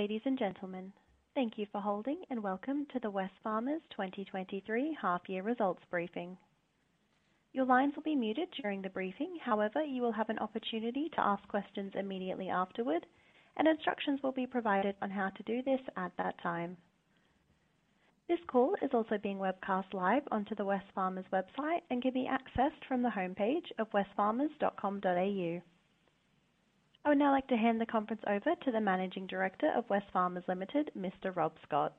Ladies and gentlemen, thank you for holding and welcome to the Wesfarmers 2023 half year results briefing. Your lines will be muted during the briefing. You will have an opportunity to ask questions immediately afterward, and instructions will be provided on how to do this at that time. This call is also being webcast live onto the Wesfarmers website and can be accessed from the homepage of wesfarmers.com.au. I would now like to hand the conference over to the Managing Director of Wesfarmers Limited, Mr Rob Scott.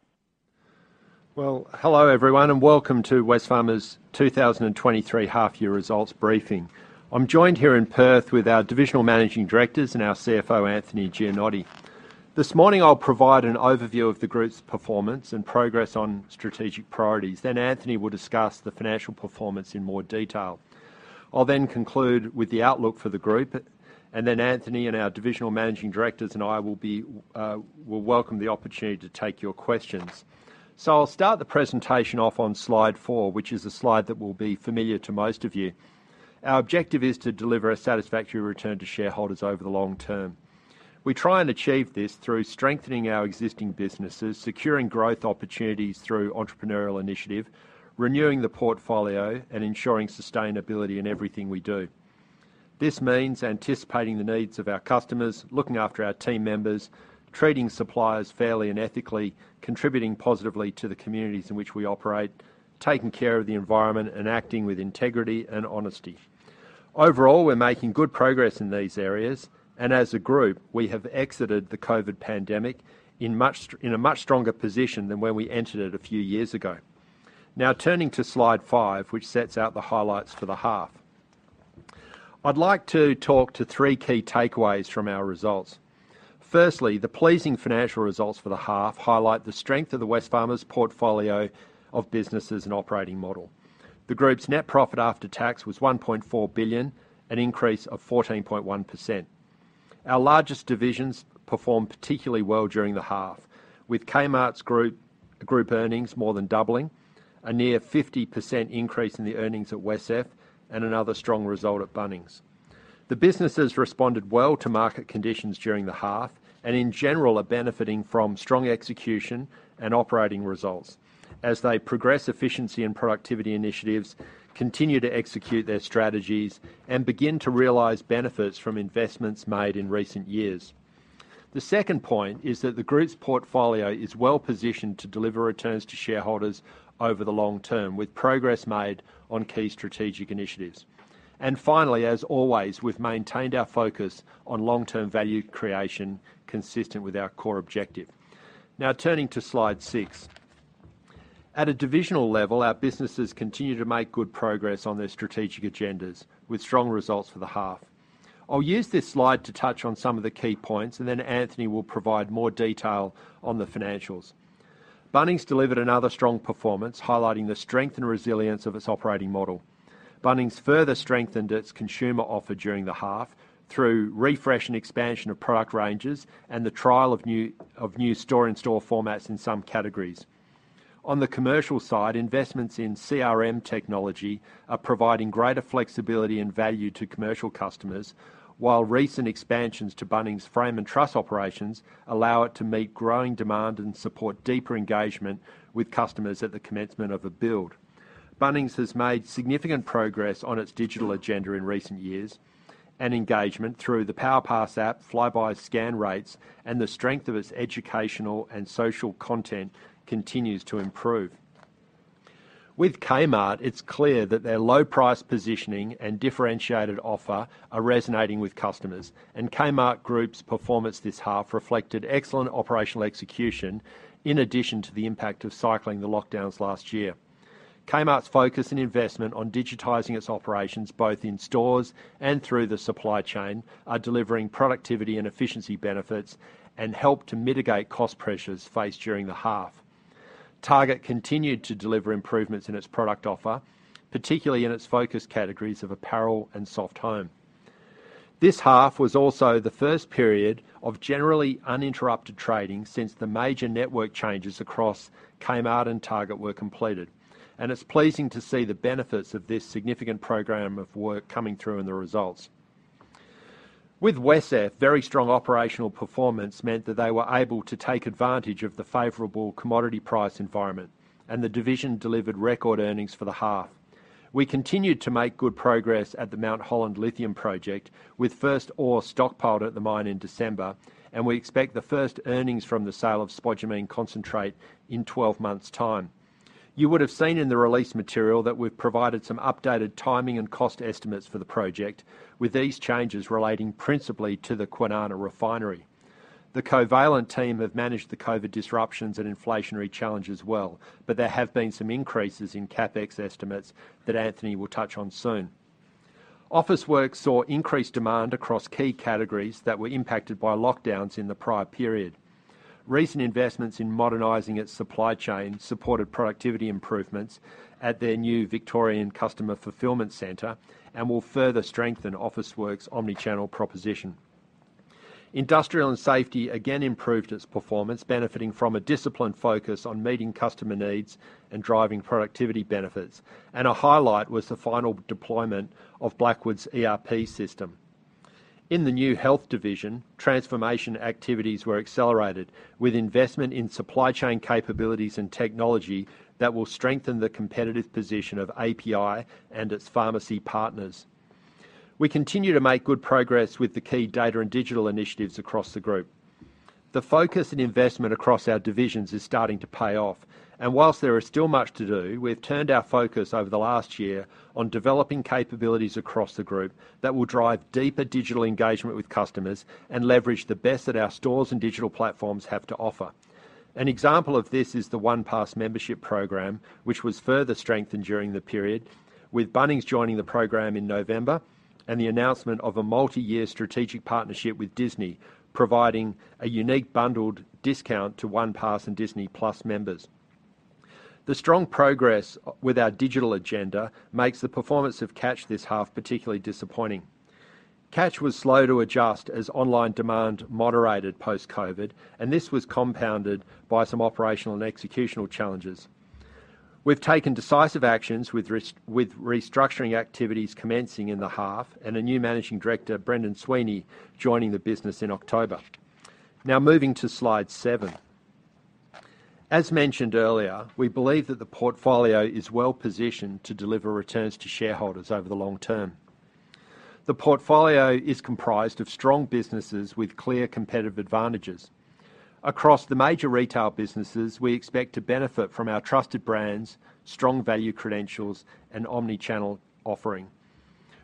Well, hello everyone, welcome to Wesfarmers 2023 half year results briefing. I'm joined here in Perth with our Divisional Managing Directors and our CFO, Anthony Gianotti. This morning I'll provide an overview of the group's performance and progress on strategic priorities. Anthony will discuss the financial performance in more detail. I'll then conclude with the outlook for the group, and then Anthony and our Divisional Managing Directors and I will welcome the opportunity to take your questions. I'll start the presentation off on slide, which is a slide that will be familiar to most of you. Our objective is to deliver a satisfactory return to shareholders over the long term. We try and achieve this through strengthening our existing businesses, securing growth opportunities through entrepreneurial initiative, renewing the portfolio, and ensuring sustainability in everything we do. This means anticipating the needs of our customers, looking after our team members, treating suppliers fairly and ethically, contributing positively to the communities in which we operate, taking care of the environment, and acting with integrity and honesty. Overall, we're making good progress in these areas, and as a group, we have exited the COVID pandemic in a much stronger position than when we entered it a few years ago. Turning to slide 5, which sets out the highlights for the half. I'd like to talk to 3 key takeaways from our results. Firstly, the pleasing financial results for the half highlight the strength of the Wesfarmers portfolio of businesses and operating model. The group's net profit after tax was AUD 1.4 billion, an increase of 14.1%. Our largest divisions performed particularly well during the half, with Kmart Group earnings more than doubling, a near 50% increase in the earnings at WesCEF, another strong result at Bunnings. The businesses responded well to market conditions during the half and in general are benefiting from strong execution and operating results as they progress efficiency and productivity initiatives, continue to execute their strategies, and begin to realize benefits from investments made in recent years. The second point is that the group's portfolio is well-positioned to deliver returns to shareholders over the long term with progress made on key strategic initiatives. Finally, as always, we've maintained our focus on long-term value creation consistent with our core objective. Now turning to slide 6. At a divisional level, our businesses continue to make good progress on their strategic agendas with strong results for the half. I'll use this slide to touch on some of the key points, and then Anthony will provide more detail on the financials. Bunnings delivered another strong performance, highlighting the strength and resilience of its operating model. Bunnings further strengthened its consumer offer during the half through refresh and expansion of product ranges and the trial of new store-in-store formats in some categories. On the commercial side, investments in CRM technology are providing greater flexibility and value to commercial customers, while recent expansions to Bunnings' frame and truss operations allow it to meet growing demand and support deeper engagement with customers at the commencement of a build. Engagement through the PowerPass app, Flybuys scan rates, and the strength of its educational and social content continues to improve. With Kmart, it's clear that their low price positioning and differentiated offer are resonating with customers. Kmart Group's performance this half reflected excellent operational execution in addition to the impact of cycling the lockdowns last year. Kmart's focus and investment on digitizing its operations, both in stores and through the supply chain, are delivering productivity and efficiency benefits and help to mitigate cost pressures faced during the half. Target continued to deliver improvements in its product offer, particularly in its focus categories of apparel and soft home. This half was also the first period of generally uninterrupted trading since the major network changes across Kmart and Target were completed. It's pleasing to see the benefits of this significant program of work coming through in the results. With WesCEF, very strong operational performance meant that they were able to take advantage of the favorable commodity price environment, the division delivered record earnings for the half. We continued to make good progress at the Mt Holland lithium project with first ore stockpiled at the mine in December, we expect the first earnings from the sale of spodumene concentrate in 12 months' time. You would have seen in the release material that we've provided some updated timing and cost estimates for the project, with these changes relating principally to the Kwinana Refinery. The Covalent team have managed the COVID disruptions and inflationary challenges well, there have been some increases in CapEx estimates that Anthony will touch on soon. Officeworks saw increased demand across key categories that were impacted by lockdowns in the prior period. Recent investments in modernizing its supply chain supported productivity improvements at their new Victorian customer fulfillment center and will further strengthen Officeworks' omni-channel proposition. Industrial and Safety again improved its performance, benefiting from a disciplined focus on meeting customer needs and driving productivity benefits. A highlight was the final deployment of Blackwoods' ERP system. In the new health division, transformation activities were accelerated with investment in supply chain capabilities and technology that will strengthen the competitive position of API and its pharmacy partners. We continue to make good progress with the key data and digital initiatives across the group. The focus and investment across our divisions is starting to pay off, and whilst there is still much to do, we've turned our focus over the last year on developing capabilities across the group that will drive deeper digital engagement with customers and leverage the best that our stores and digital platforms have to offer. An example of this is the OnePass membership program, which was further strengthened during the period with Bunnings joining the program in November and the announcement of a multi-year strategic partnership with Disney, providing a unique bundled discount to OnePass and Disney+ members. The strong progress with our digital agenda makes the performance of Catch this half particularly disappointing. Catch was slow to adjust as online demand moderated post-COVID, and this was compounded by some operational and executional challenges. We've taken decisive actions with restructuring activities commencing in the half and a new managing director, Brendan Sweeney, joining the business in October. Moving to slide 7. As mentioned earlier, we believe that the portfolio is well-positioned to deliver returns to shareholders over the long term. The portfolio is comprised of strong businesses with clear competitive advantages. Across the major retail businesses, we expect to benefit from our trusted brands, strong value credentials, and omni-channel offering.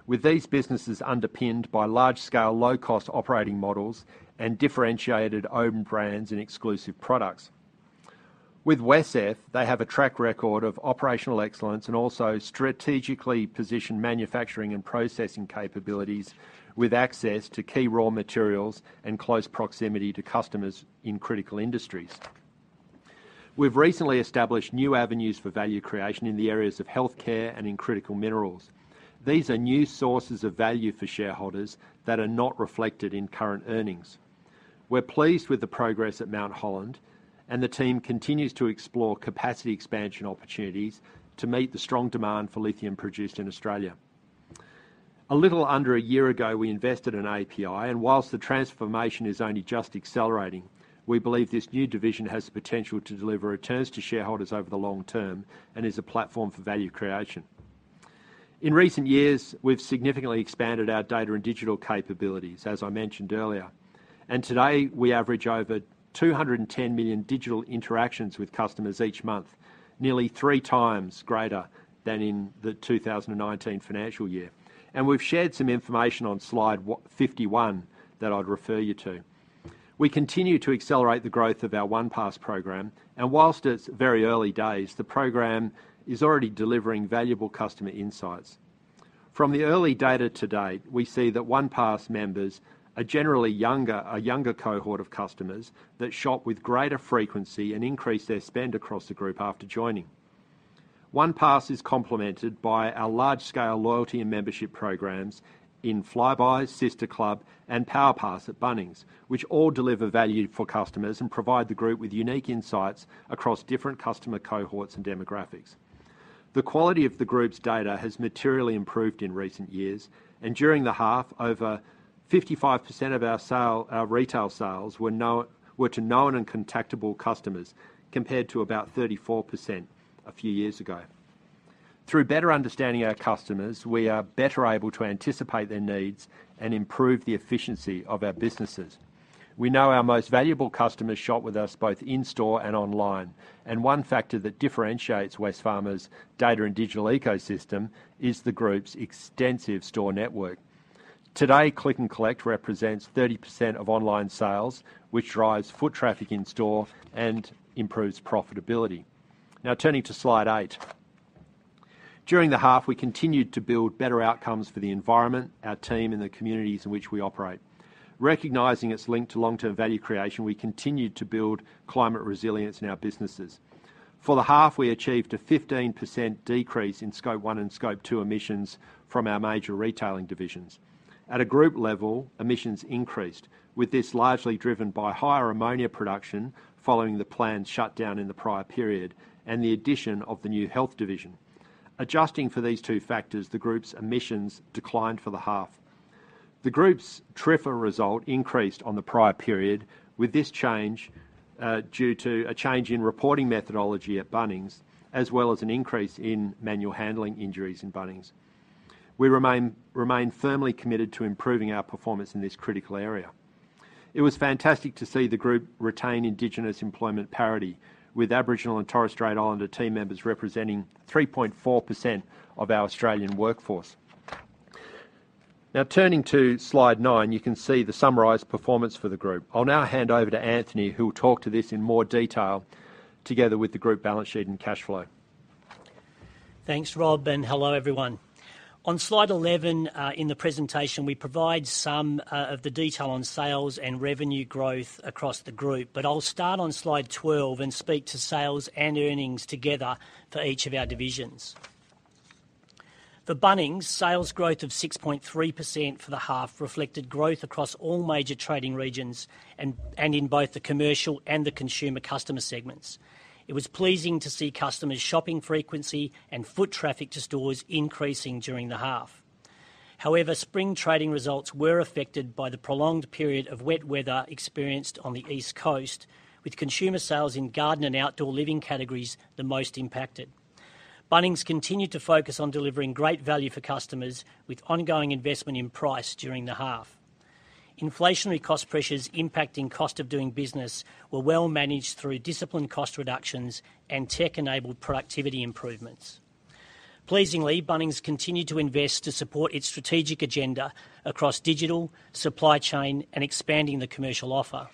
With these businesses underpinned by large scale, low-cost operating models and differentiated own brands and exclusive products. With WesCEF, they have a track record of operational excellence and also strategically positioned manufacturing and processing capabilities with access to key raw materials and close proximity to customers in critical industries. We've recently established new avenues for value creation in the areas of healthcare and in critical minerals. These are new sources of value for shareholders that are not reflected in current earnings. We're pleased with the progress at Mount Holland, and the team continues to explore capacity expansion opportunities to meet the strong demand for lithium produced in Australia. A little under a year ago, we invested in API, and whilst the transformation is only just accelerating, we believe this new division has the potential to deliver returns to shareholders over the long term and is a platform for value creation. In recent years, we've significantly expanded our data and digital capabilities, as I mentioned earlier. Today, we average over 210 million digital interactions with customers each month, nearly 3 times greater than in the 2019 financial year. We've shared some information on slide 51 that I'd refer you to. We continue to accelerate the growth of our OnePass program. Whilst it's very early days, the program is already delivering valuable customer insights. From the early data to date, we see that OnePass members are generally younger, a younger cohort of customers that shop with greater frequency and increase their spend across the group after joining. OnePass is complemented by our large-scale loyalty and membership programs in Flybuys, Sister Club, and PowerPass at Bunnings, which all deliver value for customers and provide the group with unique insights across different customer cohorts and demographics. The quality of the group's data has materially improved in recent years. During the half, over 55% of our retail sales were to known and contactable customers, compared to about 34% a few years ago. Through better understanding our customers, we are better able to anticipate their needs and improve the efficiency of our businesses. We know our most valuable customers shop with us both in-store and online. One factor that differentiates Wesfarmers' data and digital ecosystem is the group's extensive store network. Today, Click & Collect represents 30% of online sales, which drives foot traffic in store and improves profitability. Turning to slide 8. During the half, we continued to build better outcomes for the environment, our team, and the communities in which we operate. Recognizing it's linked to long-term value creation, we continued to build climate resilience in our businesses. For the half, we achieved a 15% decrease in Scope 1 and Scope 2 emissions from our major retailing divisions. At a group level, emissions increased, with this largely driven by higher ammonia production following the planned shutdown in the prior period and the addition of the new health division. Adjusting for these two factors, the group's emissions declined for the half. The group's TRIFR result increased on the prior period, with this change due to a change in reporting methodology at Bunnings, as well as an increase in manual handling injuries in Bunnings. We remain firmly committed to improving our performance in this critical area. It was fantastic to see the group retain Indigenous employment parity with Aboriginal and Torres Strait Islander team members representing 3.4% of our Australian workforce. Turning to slide 9, you can see the summarized performance for the group. I'll now hand over to Anthony, who will talk to this in more detail together with the group balance sheet and cash flow. Thanks, Rob. Hello, everyone. On slide 11 in the presentation, we provide some of the detail on sales and revenue growth across the group. I'll start on slide 12 and speak to sales and earnings together for each of our divisions. For Bunnings, sales growth of 6.3% for the half reflected growth across all major trading regions and in both the commercial and the consumer customer segments. It was pleasing to see customers' shopping frequency and foot traffic to stores increasing during the half. Spring trading results were affected by the prolonged period of wet weather experienced on the East Coast, with consumer sales in garden and outdoor living categories the most impacted. Bunnings continued to focus on delivering great value for customers with ongoing investment in price during the half. Inflationary cost pressures impacting cost of doing business were well managed through disciplined cost reductions and tech-enabled productivity improvements. Pleasingly, Bunnings continued to invest to support its strategic agenda across digital, supply chain, and expanding the commercial offer.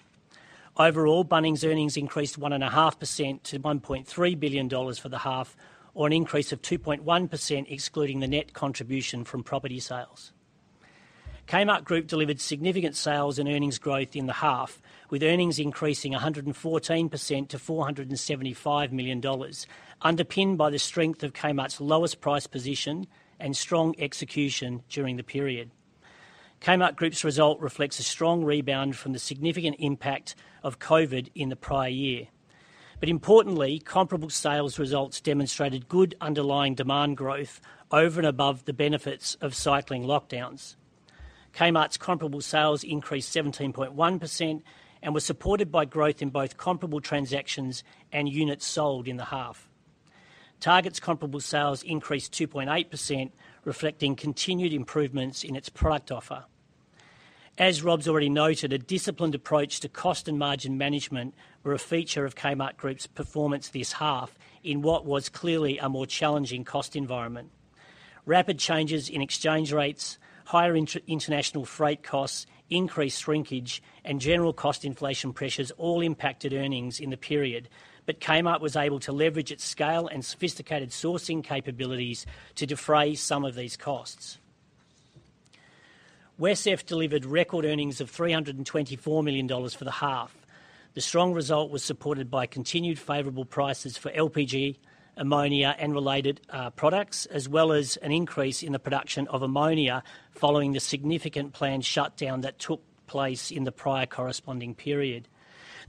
Overall, Bunnings' earnings increased 1.5% to 1.3 billion dollars for the half, or an increase of 2.1% excluding the net contribution from property sales. Kmart Group delivered significant sales and earnings growth in the half, with earnings increasing 114% to 475 million dollars, underpinned by the strength of Kmart's lowest price position and strong execution during the period. Kmart Group's result reflects a strong rebound from the significant impact of COVID in the prior year. Importantly, comparable sales results demonstrated good underlying demand growth over and above the benefits of cycling lockdowns. Kmart's comparable sales increased 17.1% and were supported by growth in both comparable transactions and units sold in the half. Target's comparable sales increased 2.8%, reflecting continued improvements in its product offer. As Rob's already noted, a disciplined approach to cost and margin management were a feature of Kmart Group's performance this half in what was clearly a more challenging cost environment. Rapid changes in exchange rates, higher inter-international freight costs, increased shrinkage, and general cost inflation pressures all impacted earnings in the period. Kmart was able to leverage its scale and sophisticated sourcing capabilities to defray some of these costs. WesCEF delivered record earnings of 324 million dollars for the half. The strong result was supported by continued favorable prices for LPG, ammonia, and related products, as well as an increase in the production of ammonia following the significant planned shutdown that took place in the prior corresponding period.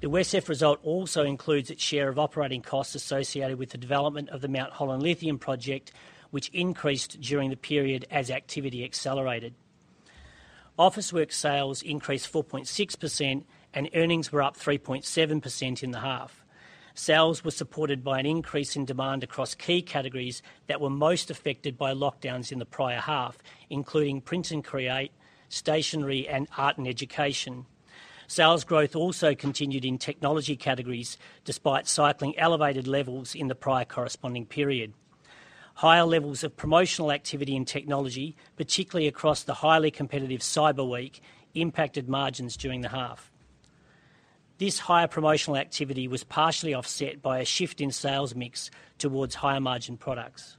The WesCEF result also includes its share of operating costs associated with the development of the Mt Holland lithium project, which increased during the period as activity accelerated. Officeworks sales increased 4.6%, and earnings were up 3.7% in the half. Sales were supported by an increase in demand across key categories that were most affected by lockdowns in the prior half, including Print and Create, Stationery, and Art & Education. Sales growth also continued in technology categories despite cycling elevated levels in the prior corresponding period. Higher levels of promotional activity in technology, particularly across the highly competitive Cyber Week, impacted margins during the half. This higher promotional activity was partially offset by a shift in sales mix towards higher margin products.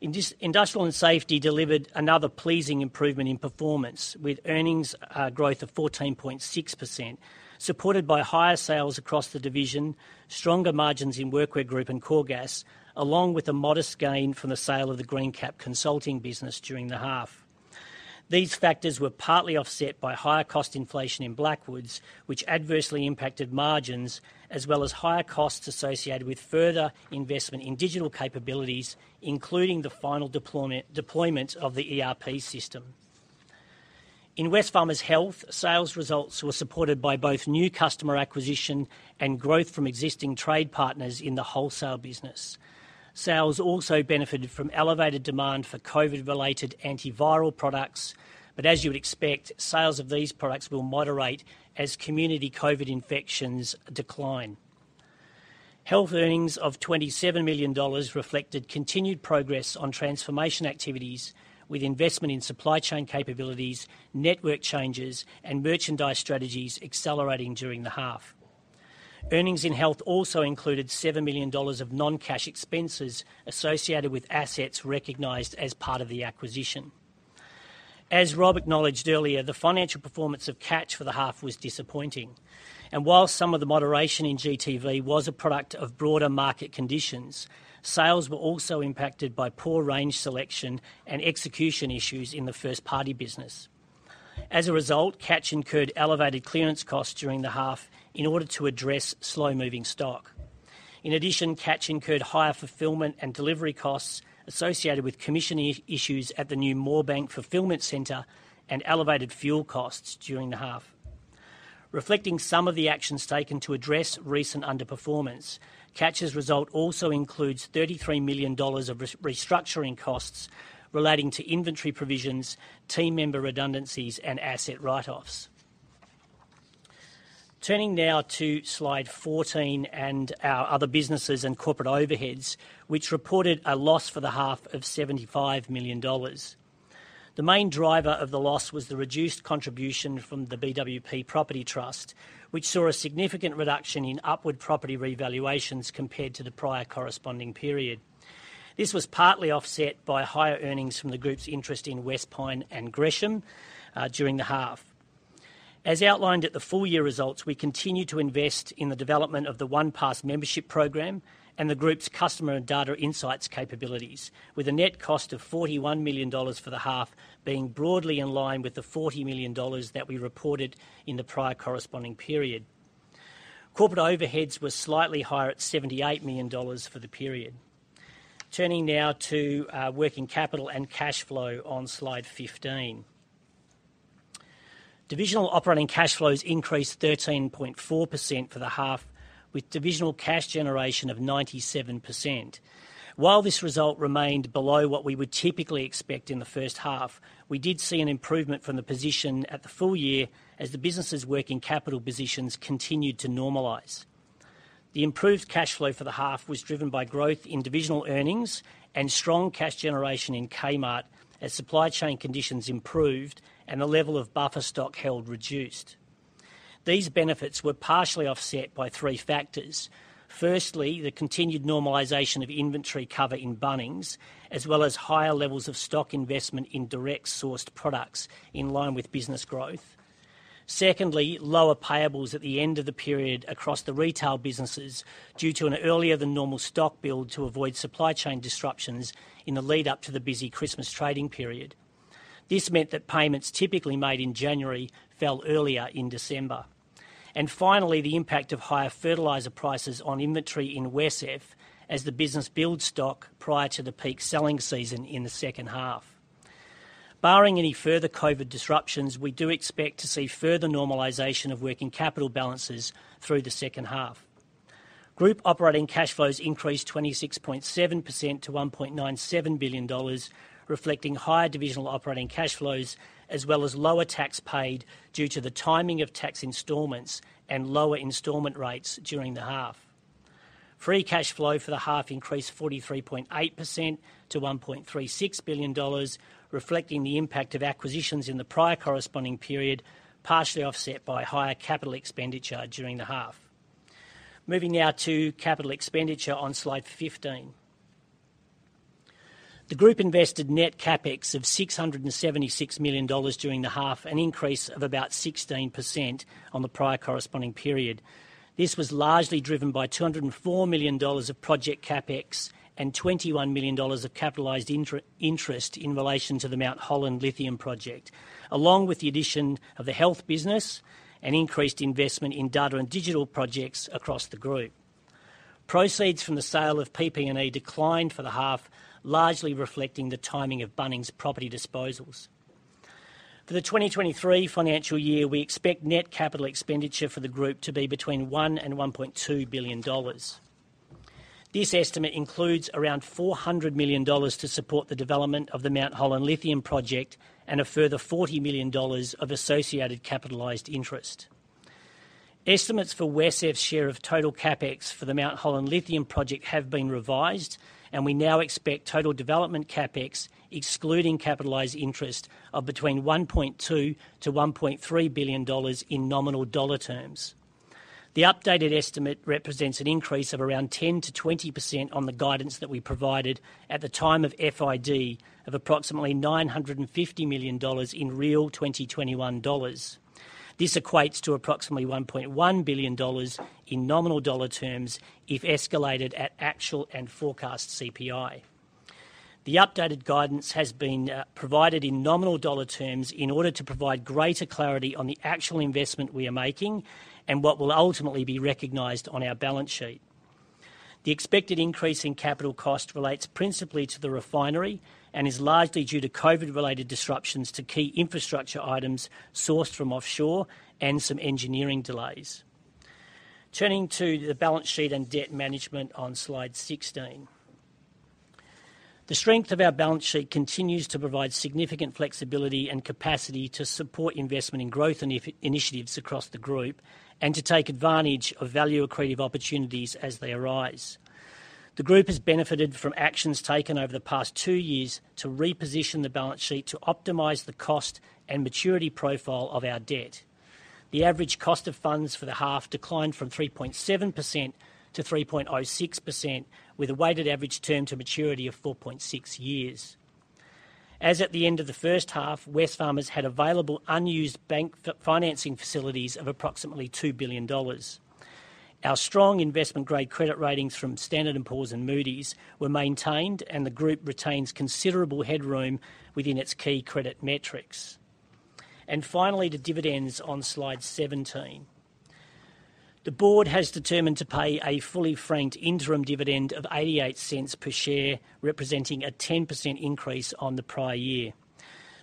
Industrial and Safety delivered another pleasing improvement in performance, with earnings growth of 14.6%, supported by higher sales across the division, stronger margins in Workwear Group and Coregas, along with a modest gain from the sale of the Greencap Consulting business during the half. These factors were partly offset by higher cost inflation in Blackwoods, which adversely impacted margins, as well as higher costs associated with further investment in digital capabilities, including the final deployment of the ERP system. In Wesfarmers Health, sales results were supported by both new customer acquisition and growth from existing trade partners in the wholesale business. Sales also benefited from elevated demand for COVID-related antiviral products, as you would expect, sales of these products will moderate as community COVID infections decline. Health earnings of 27 million dollars reflected continued progress on transformation activities with investment in supply chain capabilities, network changes, and merchandise strategies accelerating during the half. Earnings in Health also included 7 million dollars of non-cash expenses associated with assets recognized as part of the acquisition. As Rob acknowledged earlier, the financial performance of Catch for the half was disappointing. While some of the moderation in GTV was a product of broader market conditions, sales were also impacted by poor range selection and execution issues in the first-party business. As a result, Catch incurred elevated clearance costs during the half in order to address slow-moving stock. In addition, Catch incurred higher fulfillment and delivery costs associated with commissioning issues at the new Moorebank fulfillment center and elevated fuel costs during the half. Reflecting some of the actions taken to address recent underperformance, Catch's result also includes 33 million dollars of restructuring costs relating to inventory provisions, team member redundancies, and asset write-offs. Turning now to Slide 14 and our other businesses and corporate overheads, which reported a loss for the half of 75 million dollars. The main driver of the loss was the reduced contribution from the BWP Property Trust, which saw a significant reduction in upward property revaluations compared to the prior corresponding period. This was partly offset by higher earnings from the group's interest in Wespine and Gresham during the half. As outlined at the full year results, we continue to invest in the development of the OnePass membership program and the group's customer and data insights capabilities, with a net cost of $41 million for the half being broadly in line with the $40 million that we reported in the prior corresponding period. Corporate overheads were slightly higher at $78 million for the period. Turning now to working capital and cash flow on slide 15. Divisional operating cash flows increased 13.4% for the half, with divisional cash generation of 97%. While this result remained below what we would typically expect in the first half, we did see an improvement from the position at the full year as the business's working capital positions continued to normalize. The improved cash flow for the half was driven by growth in divisional earnings and strong cash generation in Kmart as supply chain conditions improved and the level of buffer stock held reduced. These benefits were partially offset by three factors. Firstly, the continued normalization of inventory cover in Bunnings, as well as higher levels of stock investment in direct sourced products in line with business growth. Secondly, lower payables at the end of the period across the retail businesses due to an earlier than normal stock build to avoid supply chain disruptions in the lead-up to the busy Christmas trading period. This meant that payments typically made in January fell earlier in December. Finally, the impact of higher fertilizer prices on inventory in WesCEF as the business build stock prior to the peak selling season in the second half. Barring any further COVID disruptions, we do expect to see further normalization of working capital balances through the second half. Group operating cash flows increased 26.7% to 1.97 billion dollars, reflecting higher divisional operating cash flows as well as lower tax paid due to the timing of tax installments and lower installment rates during the half. Free cash flow for the half increased 43.8% to 1.36 billion dollars, reflecting the impact of acquisitions in the prior corresponding period, partially offset by higher capital expenditure during the half. Moving now to capital expenditure on slide 15. The group invested net CapEx of 676 million dollars during the half, an increase of about 16% on the prior corresponding period. This was largely driven by 204 million dollars of project CapEx and 21 million dollars of capitalized inter-interest in relation to the Mount Holland Lithium Project, along with the addition of the health business and increased investment in data and digital projects across the group. Proceeds from the sale of PP&E declined for the half, largely reflecting the timing of Bunnings property disposals. For the 2023 financial year, we expect net capital expenditure for the group to be between 1 billion and 1.2 billion dollars. This estimate includes around 400 million dollars to support the development of the Mount Holland Lithium Project and a further 40 million dollars of associated capitalized interest. Estimates for WesCEF's share of total CapEx for the Mount Holland lithium project have been revised. We now expect total development CapEx, excluding capitalized interest, of between 1.2 billion-1.3 billion dollars in nominal dollar terms. The updated estimate represents an increase of around 10%-20% on the guidance that we provided at the time of FID of approximately 950 million dollars in real 2021 dollars. This equates to approximately 1.1 billion dollars in nominal dollar terms if escalated at actual and forecast CPI. The updated guidance has been provided in nominal dollar terms in order to provide greater clarity on the actual investment we are making and what will ultimately be recognized on our balance sheet. The expected increase in capital cost relates principally to the refinery and is largely due to COVID-related disruptions to key infrastructure items sourced from offshore and some engineering delays. Turning to the balance sheet and debt management on slide 16. The strength of our balance sheet continues to provide significant flexibility and capacity to support investment in growth initiatives across the group and to take advantage of value-accretive opportunities as they arise. The group has benefited from actions taken over the past 2 years to reposition the balance sheet to optimize the cost and maturity profile of our debt. The average cost of funds for the half declined from 3.7% to 3.06%, with a weighted average term to maturity of 4.6 years. As at the end of the first half, Wesfarmers had available unused bank financing facilities of approximately 2 billion dollars. Our strong investment-grade credit ratings from Standard & Poor's and Moody's were maintained, and the group retains considerable headroom within its key credit metrics. Finally, to dividends on slide 17. The board has determined to pay a fully franked interim dividend of 0.88 per share, representing a 10% increase on the prior year.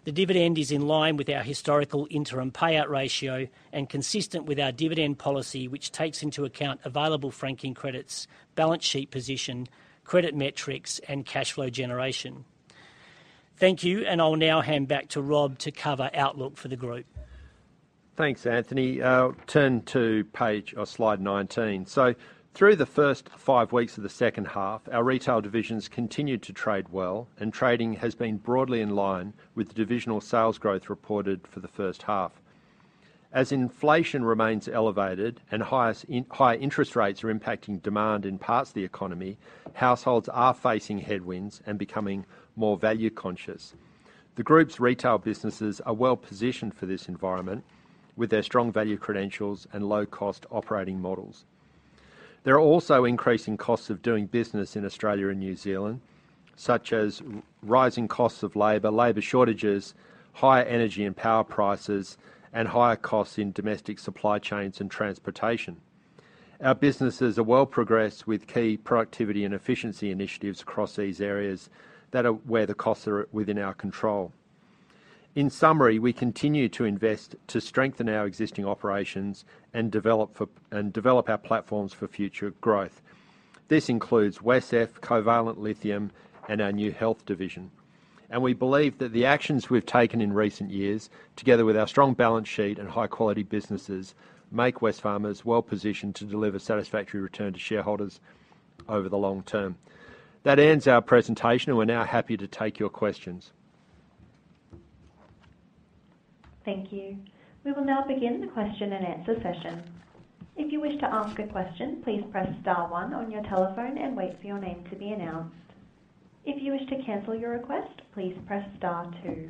The dividend is in line with our historical interim payout ratio and consistent with our dividend policy, which takes into account available franking credits, balance sheet position, credit metrics, and cash flow generation. Thank you, and I'll now hand back to Rob to cover outlook for the group. Thanks, Anthony. I'll turn to page or slide 19. Through the first five weeks of the second half, our retail divisions continued to trade well, and trading has been broadly in line with the divisional sales growth reported for the first half. As inflation remains elevated and higher interest rates are impacting demand in parts of the economy, households are facing headwinds and becoming more value-conscious. The group's retail businesses are well-positioned for this environment with their strong value credentials and low-cost operating models. There are also increasing costs of doing business in Australia and New Zealand, such as rising costs of labor shortages, higher energy and power prices, and higher costs in domestic supply chains and transportation. Our businesses are well progressed with key productivity and efficiency initiatives across these areas that are where the costs are within our control. In summary, we continue to invest to strengthen our existing operations and develop our platforms for future growth. This includes WesCEF, Covalent Lithium, and our new health division. We believe that the actions we've taken in recent years, together with our strong balance sheet and high-quality businesses, make Wesfarmers well-positioned to deliver satisfactory return to shareholders over the long term. That ends our presentation. We're now happy to take your questions. Thank you. We will now begin the question and answer session. If you wish to ask a question, please press star one on your telephone and wait for your name to be announced. If you wish to cancel your request, please press star two.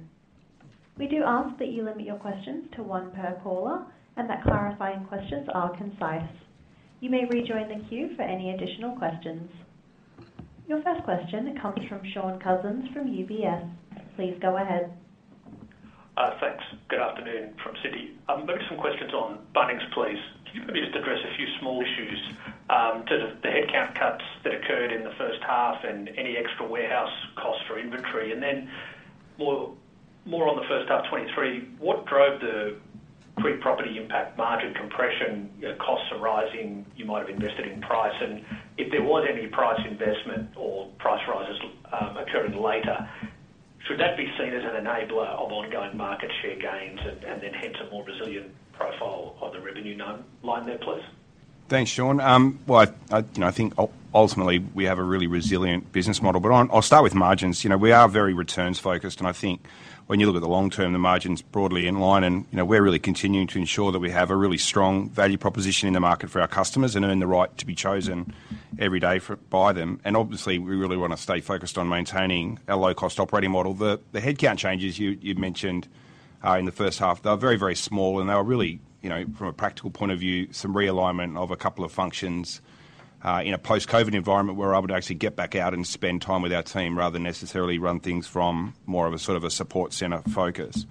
We do ask that you limit your questions to one per caller and that clarifying questions are concise. You may rejoin the queue for any additional questions. Your first question comes from Shaun Cousins from UBS. Please go ahead. Thanks. Good afternoon from Sydney. Maybe some questions on Bunnings, please. Can you maybe just address a few small issues to the headcount cuts that occurred in the first half and any extra warehouse costs for inventory? Then more on the first half 2023, what drove the pre-property impact margin compression? Costs are rising, you might have invested in price, and if there was any price investment or price rises occurring later, should that be seen as an enabler of ongoing market share gains and then hence a more resilient profile on the revenue line there, please? Thanks, Shaun. Well, I, you know, I think ultimately we have a really resilient business model. I'll start with margins. You know, we are very returns-focused, and I think when you look at the long term, the margin's broadly in line and, you know, we're really continuing to ensure that we have a really strong value proposition in the market for our customers and earn the right to be chosen every day by them. Obviously, we really wanna stay focused on maintaining our low-cost operating model. The, the headcount changes you mentioned in the first half, they were very, very small, and they were really, you know, from a practical point of view, some realignment of a couple of functions. In a post-COVID environment, we're able to actually get back out and spend time with our team rather than necessarily run things from more of a sort of a support center focus.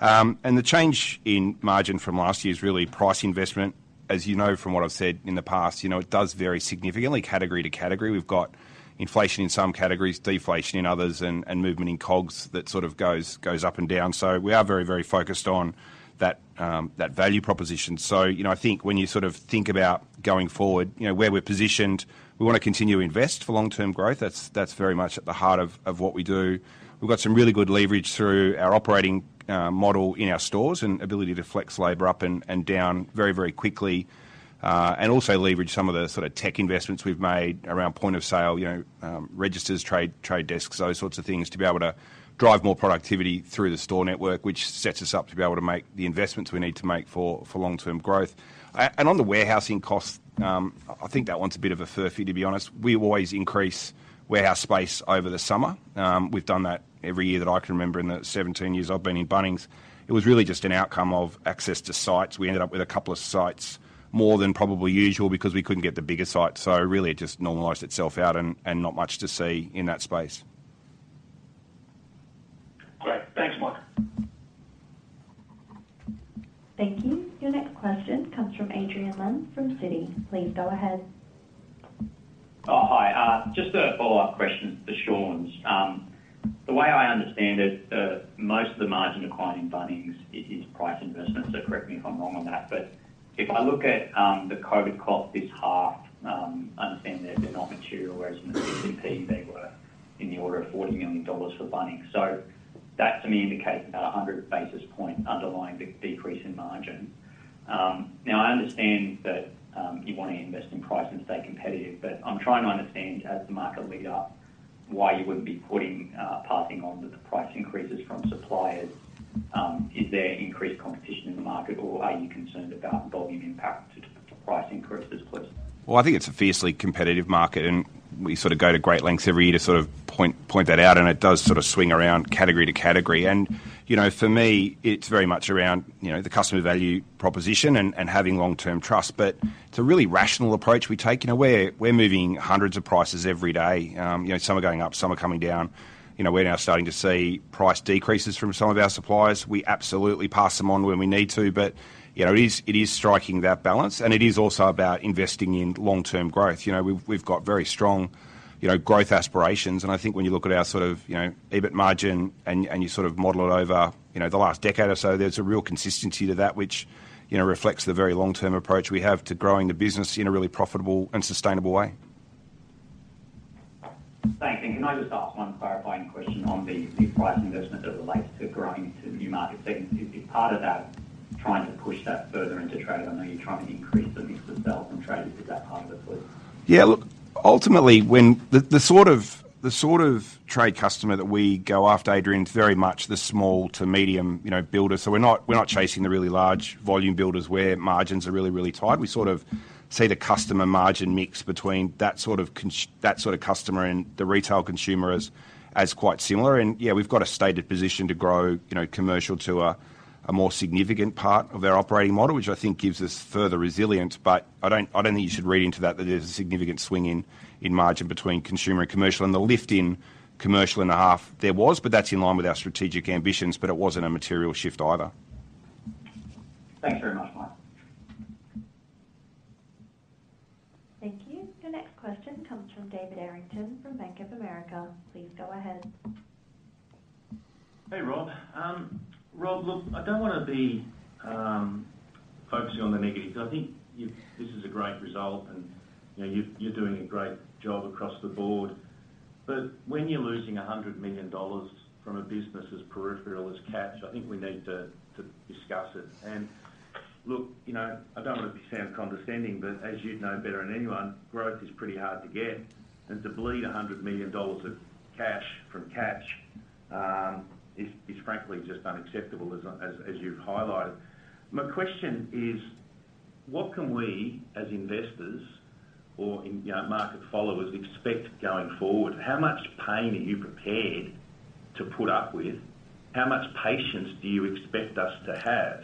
The change in margin from last year's really price investment. As you know from what I've said in the past, you know, it does vary significantly category to category. We've got inflation in some categories, deflation in others, and movement in COGS that sort of goes up and down. We are very, very focused on that value proposition. You know, I think when you sort of think about going forward, you know, where we're positioned, we wanna continue to invest for long-term growth. That's very much at the heart of what we do. We've got some really good leverage through our operating model in our stores and ability to flex labor up and down very, very quickly, and also leverage some of the sort of tech investments we've made around point of sale, you know, registers, trade desks, those sorts of things, to be able to drive more productivity through the store network, which sets us up to be able to make the investments we need to make for long-term growth. On the warehousing costs, I think that one's a bit of a furphy, to be honest. We always increase warehouse space over the summer. We've done that every year that I can remember in the 17 years I've been in Bunnings. It was really just an outcome of access to sites. We ended up with a couple of sites, more than probably usual because we couldn't get the bigger site. Really it just normalized itself out and not much to see in that space. Great. Thanks, Mike. Thank you. Your next question comes from Adrian Lemme from Citi. Please go ahead. Hi. Just a follow-up question to Shaun's. The way I understand it, most of the margin decline in Bunnings is price investment. Correct me if I'm wrong on that. If I look at the COVID cost this half, I understand they've been not material, whereas in the CDP they were in the order of 40 million dollars for Bunnings. That to me indicates about a 100 basis point underlying decrease in margin. Now I understand that you wanna invest in price and stay competitive, but I'm trying to understand, as the market leader, why you wouldn't be putting passing on to the price increases from suppliers. Is there increased competition in the market, or are you concerned about volume impact to the price increases, please? Well, I think it's a fiercely competitive market, and we sort of go to great lengths every year to sort of point that out, and it does sort of swing around category to category. You know, for me, it's very much around, you know, the customer value proposition and having long-term trust, but it's a really rational approach we take. You know, we're moving hundreds of prices every day. You know, some are going up, some are coming down. You know, we're now starting to see price decreases from some of our suppliers. We absolutely pass them on when we need to. You know, it is striking that balance, and it is also about investing in long-term growth. You know, we've got very strong, you know, growth aspirations, and I think when you look at our sort of, you know, EBIT margin and you sort of model it over, you know, the last decade or so, there's a real consistency to that which, you know, reflects the very long-term approach we have to growing the business in a really profitable and sustainable way. Thanks. Can I just ask one clarifying question on the price investment that relates to growing into new market segments? Is part of that trying to push that further into trade? I know you're trying to increase the mix of sales and trade. Is that part of it, please? Ultimately, when the sort of trade customer that we go after, Adrian, is very much the small to medium, you know, builders. We're not chasing the really large volume builders where margins are really, really tight. We sort of see the customer margin mix between that sort of customer and the retail consumer as quite similar. Yeah, we've got a stated position to grow, you know, commercial to a more significant part of our operating model, which I think gives us further resilience. I don't think you should read into that there's a significant swing in margin between consumer and commercial. The lift in commercial in the half there was, but that's in line with our strategic ambitions, but it wasn't a material shift either. Thanks very much, Mike. Thank you. Your next question comes from David Errington from Bank of America. Please go ahead. Hey, Rob. Rob, look, I don't wanna be focusing on the negatives. I think this is a great result, and, you know, you're doing a great job across the board. When you're losing 100 million dollars from a business as peripheral as Catch, I think we need to discuss it. Look, you know, I don't wanna sound condescending, but as you'd know better than anyone, growth is pretty hard to get. To bleed 100 million dollars of cash from Catch, is frankly just unacceptable as you've highlighted. My question is, what can we as investors or in, you know, market followers expect going forward? How much pain are you prepared to put up with? How much patience do you expect us to have?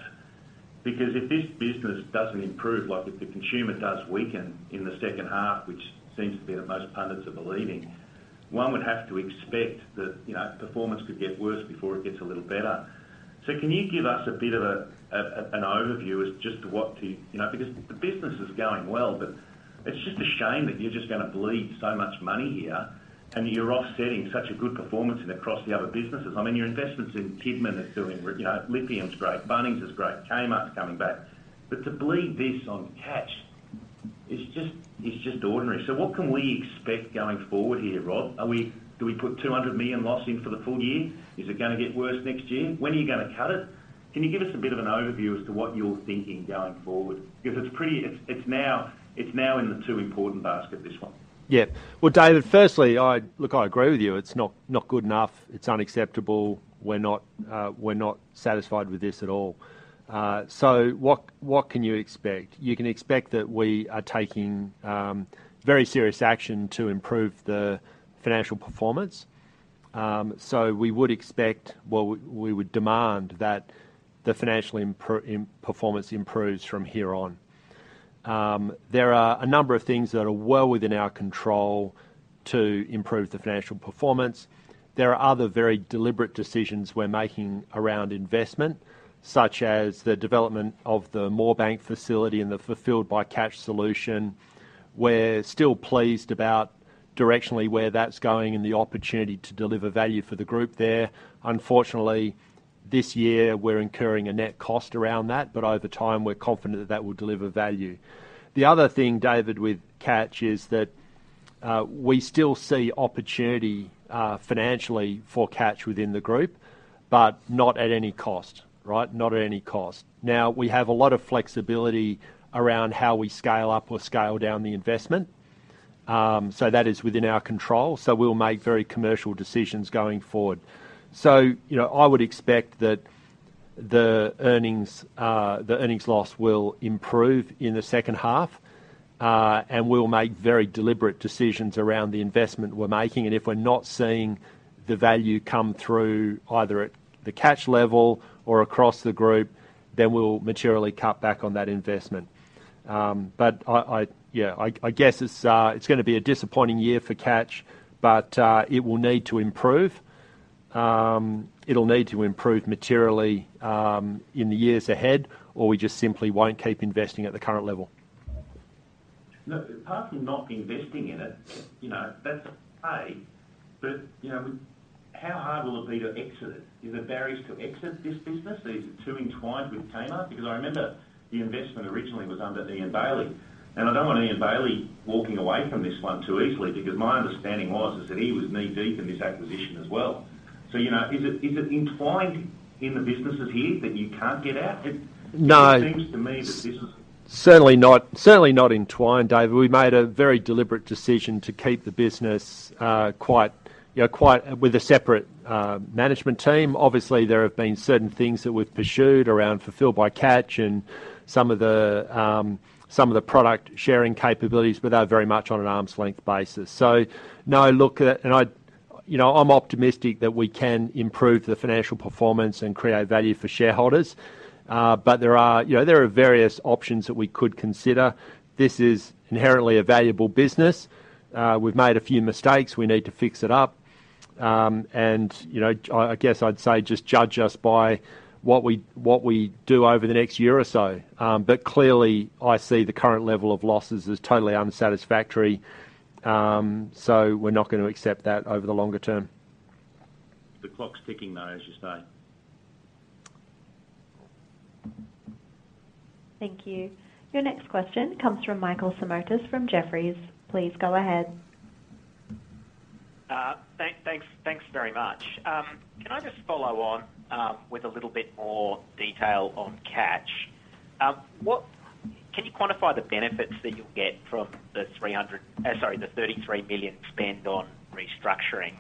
If this business doesn't improve, like if the consumer does weaken in the second half, which seems to be that most pundits are believing, one would have to expect that, you know, performance could get worse before it gets a little better. Can you give us a bit of an overview as just what to, you know, because the business is going well, but it's just a shame that you're just gonna bleed so much money here, and you're offsetting such a good performance and across the other businesses. I mean, your investments in Kidman is doing, you know, Lithium's great, Bunnings is great, Kmart's coming back. To bleed this on Catch is just ordinary. What can we expect going forward here, Rob? Do we put 200 million loss in for the full year? Is it going to get worse next year? When are you going to cut it? Can you give us a bit of an overview as to what you're thinking going forward? Because it's pretty... It's now in the too important basket, this one. Yeah. Well, David, firstly, I agree with you. It's not good enough. It's unacceptable. We're not, we're not satisfied with this at all. What, what can you expect? You can expect that we are taking very serious action to improve the financial performance. We would expect, well, we would demand that the financial performance improves from here on. There are a number of things that are well within our control to improve the financial performance. There are other very deliberate decisions we're making around investment, such as the development of the Moorebank facility and the Fulfilled by Catch solution. We're still pleased about directionally where that's going and the opportunity to deliver value for the group there. Unfortunately, this year, we're incurring a net cost around that, but over time, we're confident that that will deliver value. The other thing, David, with Catch is that we still see opportunity financially for Catch within the group, but not at any cost, right? Not at any cost. We have a lot of flexibility around how we scale up or scale down the investment. That is within our control. We'll make very commercial decisions going forward. You know, I would expect that the earnings, the earnings loss will improve in the second half, and we'll make very deliberate decisions around the investment we're making. If we're not seeing the value come through, either at the Catch level or across the group, then we'll materially cut back on that investment. I, yeah, I guess it's gonna be a disappointing year for Catch, but it will need to improve. it'll need to improve materially, in the years ahead, or we just simply won't keep investing at the current level. No, apart from not investing in it, you know, that's okay. How hard will it be to exit it? Is there barriers to exit this business? Is it too entwined with Kmart? I remember the investment originally was under Ian Bailey, and I don't want Ian Bailey walking away from this one too easily, because my understanding was, is that he was knee-deep in this acquisition as well. You know, is it entwined in the businesses here that you can't get out? No. It seems to me that this. Certainly not, certainly not entwined, David. We made a very deliberate decision to keep the business, quite, you know, with a separate management team. Obviously, there have been certain things that we've pursued around Fulfilled by Catch and some of the product sharing capabilities, but they are very much on an arm's length basis. No, look, and I, you know, I'm optimistic that we can improve the financial performance and create value for shareholders. There are, you know, various options that we could consider. This is inherently a valuable business. We've made a few mistakes, we need to fix it up. You know, I guess I'd say just judge us by what we do over the next year or so. Clearly, I see the current level of losses as totally unsatisfactory. We're not gonna accept that over the longer term. The clock's ticking, though, as you say. Thank you. Your next question comes from Michael Simotas from Jefferies. Please go ahead. Thanks very much. Can I just follow on with a little bit more detail on Catch? What Can you quantify the benefits that you'll get from the 33 million spend on restructuring?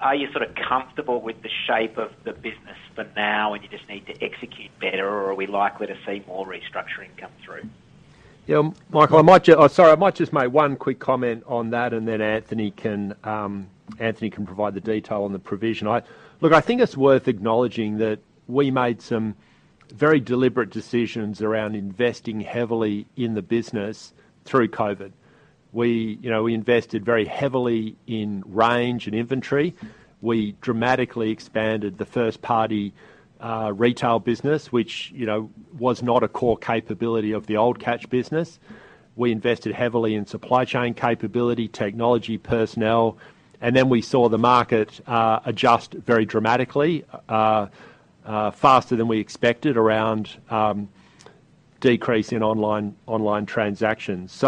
Are you sort of comfortable with the shape of the business for now, and you just need to execute better, or are we likely to see more restructuring come through? Yeah, Michael, I might just, oh, sorry, I might just make one quick comment on that and then Anthony can provide the detail on the provision. Look, I think it's worth acknowledging that we made some very deliberate decisions around investing heavily in the business through COVID. We, you know, invested very heavily in range and inventory. We dramatically expanded the first party retail business, which, you know, was not a core capability of the old Catch business. We invested heavily in supply chain capability, technology, personnel, and then we saw the market adjust very dramatically faster than we expected around decrease in online transactions.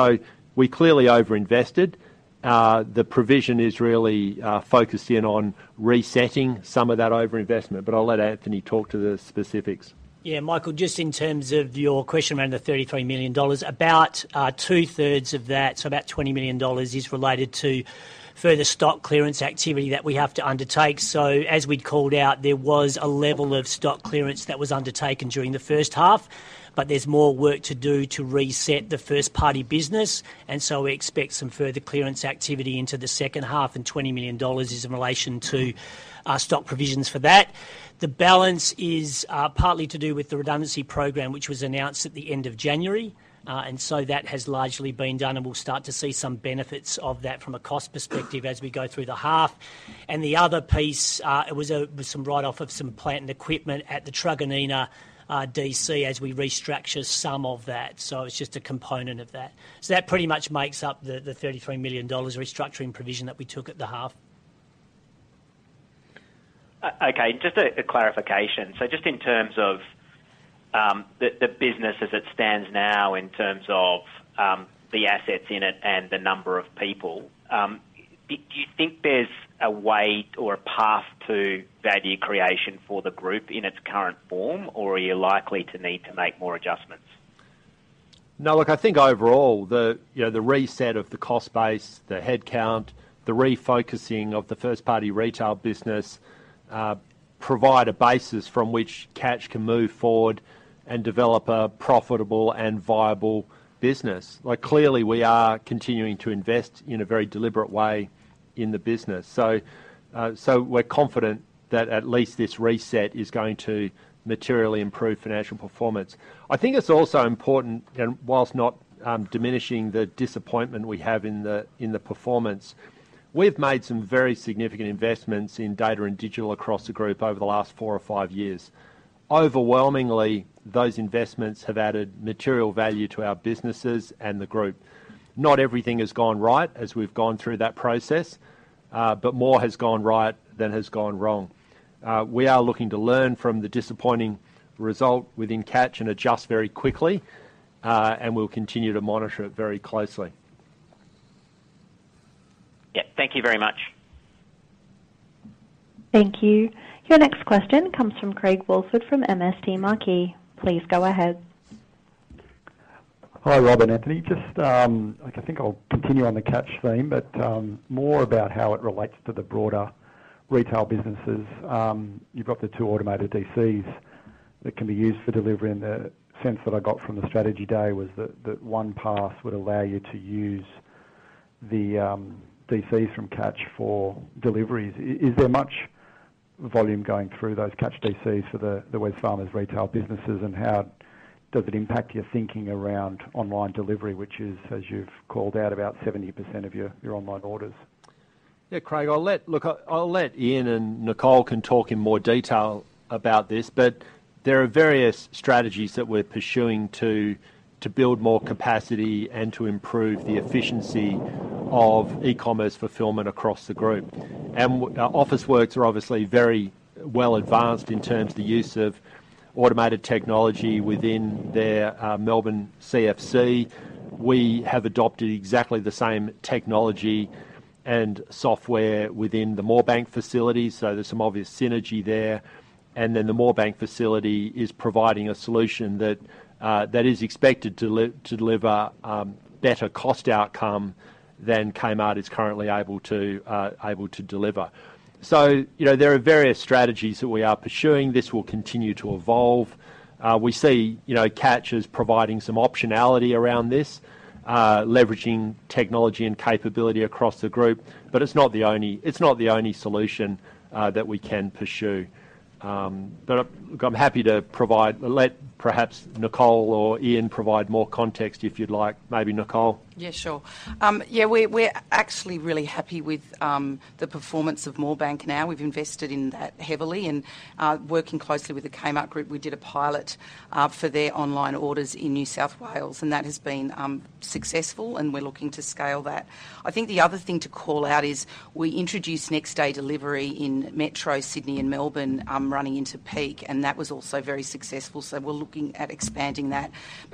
We clearly over-invested. The provision is really focused in on resetting some of that over-investment, but I'll let Anthony talk to the specifics. Yeah. Michael, just in terms of your question around the 33 million dollars, about two-thirds of that, so about 20 million dollars is related to further stock clearance activity that we have to undertake. As we'd called out, there was a level of stock clearance that was undertaken during the first half, but there's more work to do to reset the first party business. We expect some further clearance activity into the second half, and 20 million dollars is in relation to stock provisions for that. The balance is partly to do with the redundancy program, which was announced at the end of January. That has largely been done, and we'll start to see some benefits of that from a cost perspective as we go through the half. The other piece, it was some write-off of some plant and equipment at the Truganina DC as we restructure some of that. It's just a component of that. That pretty much makes up the 33 million dollars restructuring provision that we took at the half. Okay. Just a clarification. Just in terms of the business as it stands now in terms of the assets in it and the number of people, do you think there's a way or a path to value creation for the group in its current form, or are you likely to need to make more adjustments? No, look, I think overall the, you know, the reset of the cost base, the headcount, the refocusing of the first party retail business, provide a basis from which Catch can move forward and develop a profitable and viable business. Like, clearly, we are continuing to invest in a very deliberate way in the business. We're confident that at least this reset is going to materially improve financial performance. I think it's also important, and whilst not, diminishing the disappointment we have in the performance, we've made some very significant investments in data and digital across the group over the last four or five years. Overwhelmingly, those investments have added material value to our businesses and the group. Not everything has gone right as we've gone through that process, more has gone right than has gone wrong. We are looking to learn from the disappointing result within Catch and adjust very quickly, and we'll continue to monitor it very closely. Yeah. Thank you very much. Thank you. Your next question comes from Craig Woolford from MST Marquee. Please go ahead. Hi, Rob and Anthony. I think I'll continue on the Catch theme, but more about how it relates to the broader retail businesses. You've got the two automated DCs that can be used for delivery, and the sense that I got from the strategy day was that OnePass would allow you to use the DCs from Catch for deliveries. Is there much volume going through those Catch DCs for the Wesfarmers retail businesses, and how does it impact your thinking around online delivery, which is, as you've called out, about 70% of your online orders? Yeah. Craig, I'll let Ian and Nicole can talk in more detail about this, but there are various strategies that we're pursuing to build more capacity and to improve the efficiency of e-commerce fulfillment across the group. Officeworks are obviously very well advanced in terms of the use of automated technology within their Melbourne CFC. We have adopted exactly the same technology and software within the Moorebank facility, so there's some obvious synergy there. The Moorebank facility is providing a solution that is expected to deliver better cost outcome than Kmart is currently able to deliver. You know, there are various strategies that we are pursuing. This will continue to evolve. We see, you know, Catch as providing some optionality around this, leveraging technology and capability across the group. It's not the only solution that we can pursue. Look, I'm happy to provide... Let perhaps Nicole or Ian provide more context if you'd like. Maybe Nicole. Yeah, sure. We're actually really happy with the performance of Moorebank now. We've invested in that heavily, working closely with the Kmart Group, we did a pilot for their online orders in New South Wales, that has been successful, and we're looking to scale that. I think the other thing to call out is we introduced next day delivery in Metro Sydney and Melbourne, running into peak, that was also very successful, we're looking at expanding that.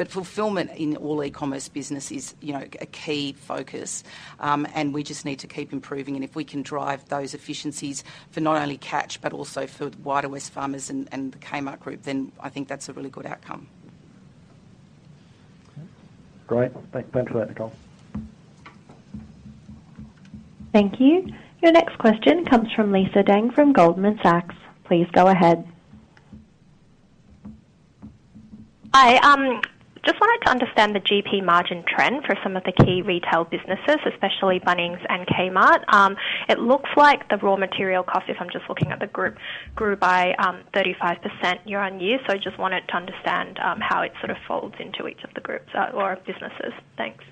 Fulfillment in all e-commerce business is, you know, a key focus, we just need to keep improving, if we can drive those efficiencies for not only Catch, but also for the wider Wesfarmers and the Kmart Group, I think that's a really good outcome. Great. Thanks for that, Nicole. Thank you. Your next question comes from Lisa Deng from Goldman Sachs. Please go ahead. Hi. Just wanted to understand the GP margin trend for some of the key retail businesses, especially Bunnings and Kmart. It looks like the raw material cost, if I'm just looking at the group, grew by 35% year-over-year. Just wanted to understand how it sort of folds into each of the groups or businesses. Thanks.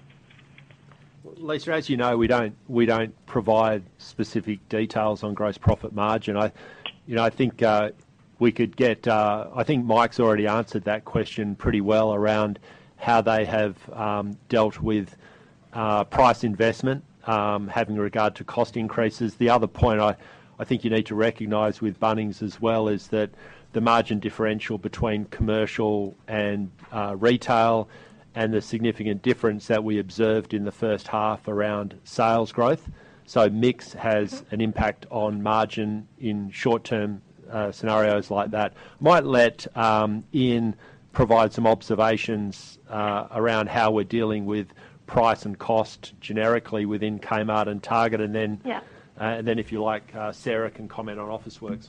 Lisa, as you know, we don't provide specific details on gross profit margin. I, you know, I think Mike's already answered that question pretty well around how they have dealt with price investment, having regard to cost increases. The other point I think you need to recognize with Bunnings as well, is that the margin differential between commercial and retail, and the significant difference that we observed in the first half around sales growth. mix has. Mm-hmm... an impact on margin in short-term scenarios like that. Might let Ian provide some observations around how we're dealing with price and cost generically within Kmart and Target. Yeah... if you like, Sarah can comment on Officeworks.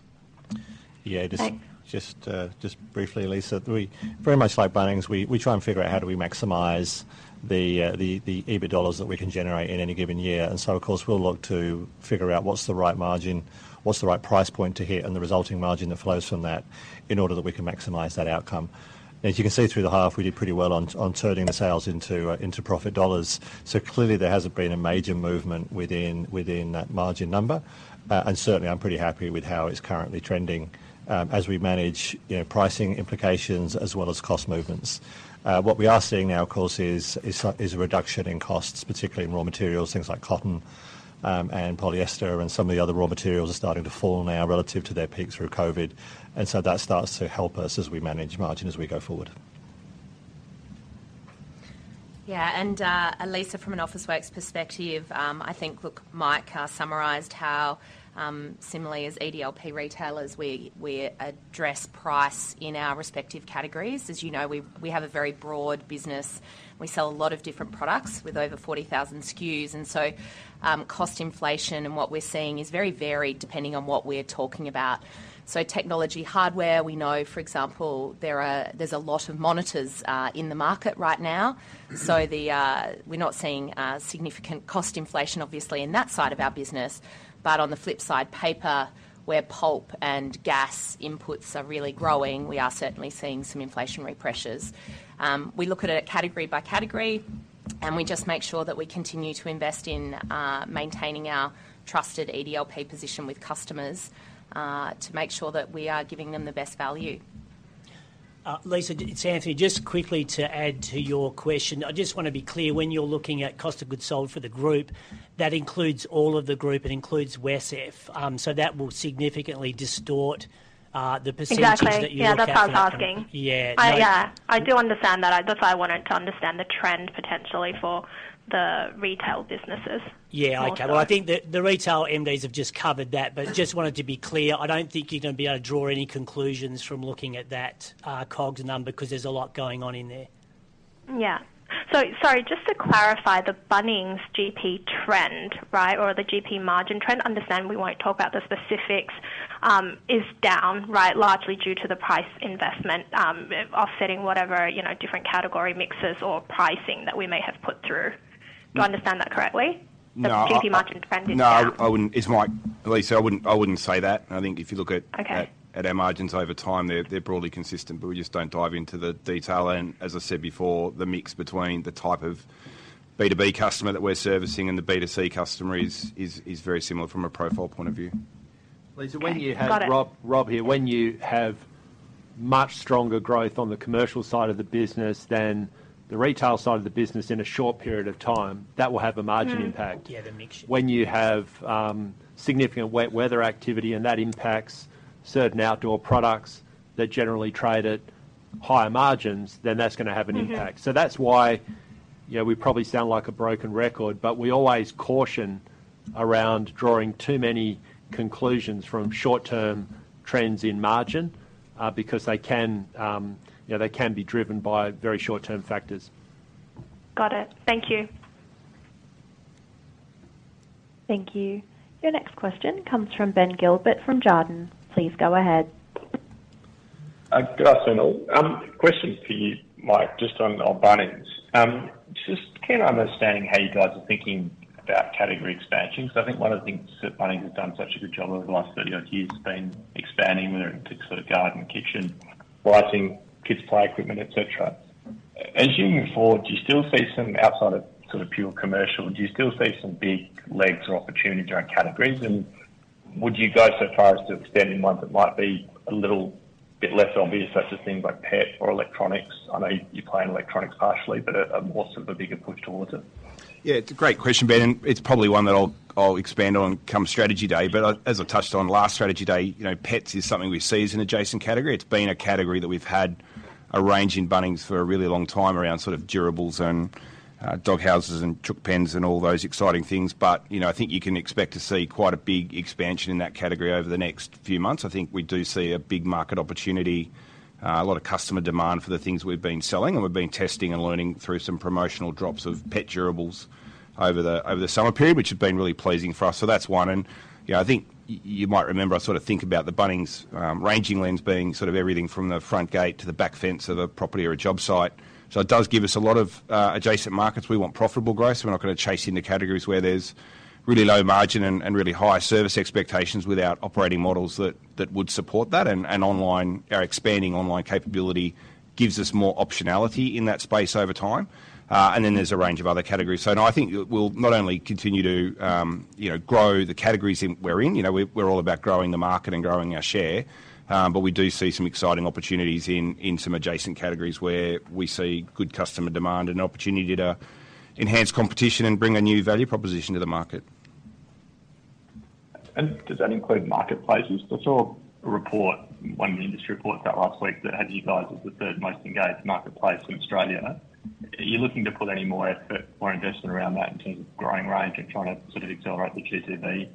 Thanks. Just briefly, Lisa. We, very much like Bunnings, we try and figure out how do we maximize the EBITDA AUD dollars that we can generate in any given year. Of course, we'll look to figure out what's the right margin, what's the right price point to hit, and the resulting margin that flows from that in order that we can maximize that outcome. As you can see through the half, we did pretty well on turning the sales into profit AUD dollars. Clearly there hasn't been a major movement within that margin number. Certainly I'm pretty happy with how it's currently trending, as we manage, you know, pricing implications as well as cost movements. What we are seeing now, of course, is a reduction in costs, particularly in raw materials, things like cotton, and polyester, and some of the other raw materials are starting to fall now relative to their peak through COVID. That starts to help us as we manage margin as we go forward. Yeah. Lisa, from an Officeworks perspective, I think, look, Mike summarized how similarly as EDLP retailers, we address price in our respective categories. You know, we have a very broad business. We sell a lot of different products with over 40,000 SKUs and cost inflation and what we're seeing is very varied depending on what we're talking about. Technology hardware, we know, for example, there's a lot of monitors in the market right now. Mm-hmm. The we're not seeing significant cost inflation obviously in that side of our business. On the flip side, paper, where pulp and gas inputs are really growing, we are certainly seeing some inflationary pressures. We look at it category by category, and we just make sure that we continue to invest in maintaining our trusted EDLP position with customers, to make sure that we are giving them the best value. Lisa, it's Anthony. Just quickly to add to your question. I just wanna be clear, when you're looking at cost of goods sold for the group, that includes all of the group, it includes WesCEF. That will significantly distort the percentages- Exactly. Yeah, that's what I was asking. that you were calculating. Yeah. I, yeah. I do understand that. I just, I wanted to understand the trend potentially for the retail businesses more so. Yeah, okay. I think the retail MDs have just covered that, but just wanted to be clear, I don't think you're gonna be able to draw any conclusions from looking at that COGS number 'cause there's a lot going on in there. Sorry, just to clarify the Bunnings GP trend, right? Or the GP margin trend. Understand we won't talk about the specifics, is down, right? Largely due to the price investment, offsetting whatever, you know, different category mixes or pricing that we may have put through. Mm. Do I understand that correctly? No. The GP margin trend is down. No. It's Mike. Lisa, I wouldn't say that. I think if you look at. Okay... at our margins over time, they're broadly consistent, but we just don't dive into the detail. As I said before, the mix between the type of B2B customer that we're servicing and the B2C customer is very similar from a profile point of view. Okay. Got it. Lisa, Rob here. When you have much stronger growth on the commercial side of the business than the retail side of the business in a short period of time, that will have a margin impact. Mm. Yeah, the mix shift. When you have, significant weather activity and that impacts certain outdoor products that generally trade at higher margins, then that's gonna have an impact. Mm-hmm. That's why, you know, we probably sound like a broken record, but we always caution around drawing too many conclusions from short-term trends in margin, because they can, you know, they can be driven by very short-term factors. Got it. Thank you. Thank you. Your next question comes from Ben Gilbert from Jarden. Please go ahead. Good afternoon all. Question for you, Mike, just on Bunnings. Just keen on understanding how you guys are thinking about category expansion, 'cause I think one of the things that Bunnings has done such a good job over the last 30 odd years has been expanding, whether it be sort of garden, kitchen, lighting, kids play equipment, et cetera. As you move forward, do you still see some outside of sort of pure commercial, do you still see some big legs or opportunity around categories and would you go so far as to extending ones that might be a little bit less obvious, such as things like pet or electronics? I know you play in electronics partially, but a more sort of a bigger push towards it. Yeah, it's a great question, Ben. It's probably one that I'll expand on come strategy day. As I touched on last strategy day, you know, pets is something we see as an adjacent category. It's been a category that we've had a range in Bunnings for a really long time around sort of durables and dog houses and chook pens and all those exciting things. You know, I think you can expect to see quite a big expansion in that category over the next few months. I think we do see a big market opportunity, a lot of customer demand for the things we've been selling, and we've been testing and learning through some promotional drops of pet durables over the summer period, which has been really pleasing for us. That's one. You know, I think you might remember, I sort of think about the Bunnings ranging lens being sort of everything from the front gate to the back fence of a property or a job site. It does give us a lot of adjacent markets. We want profitable growth. We're not gonna chase into categories where there's really low margin and really high service expectations without operating models that would support that. Online, our expanding online capability gives us more optionality in that space over time. There's a range of other categories. No, I think we'll not only continue to, you know, grow the categories in we're in, you know, we're all about growing the market and growing our share. We do see some exciting opportunities in some adjacent categories where we see good customer demand and opportunity to enhance competition and bring a new value proposition to the market. Does that include Marketplaces? I saw a report, one of the industry reports out last week that had you guys as the third most engaged marketplace in Australia. Are you looking to put any more effort or investment around that in terms of growing range and trying to sort of accelerate the GTV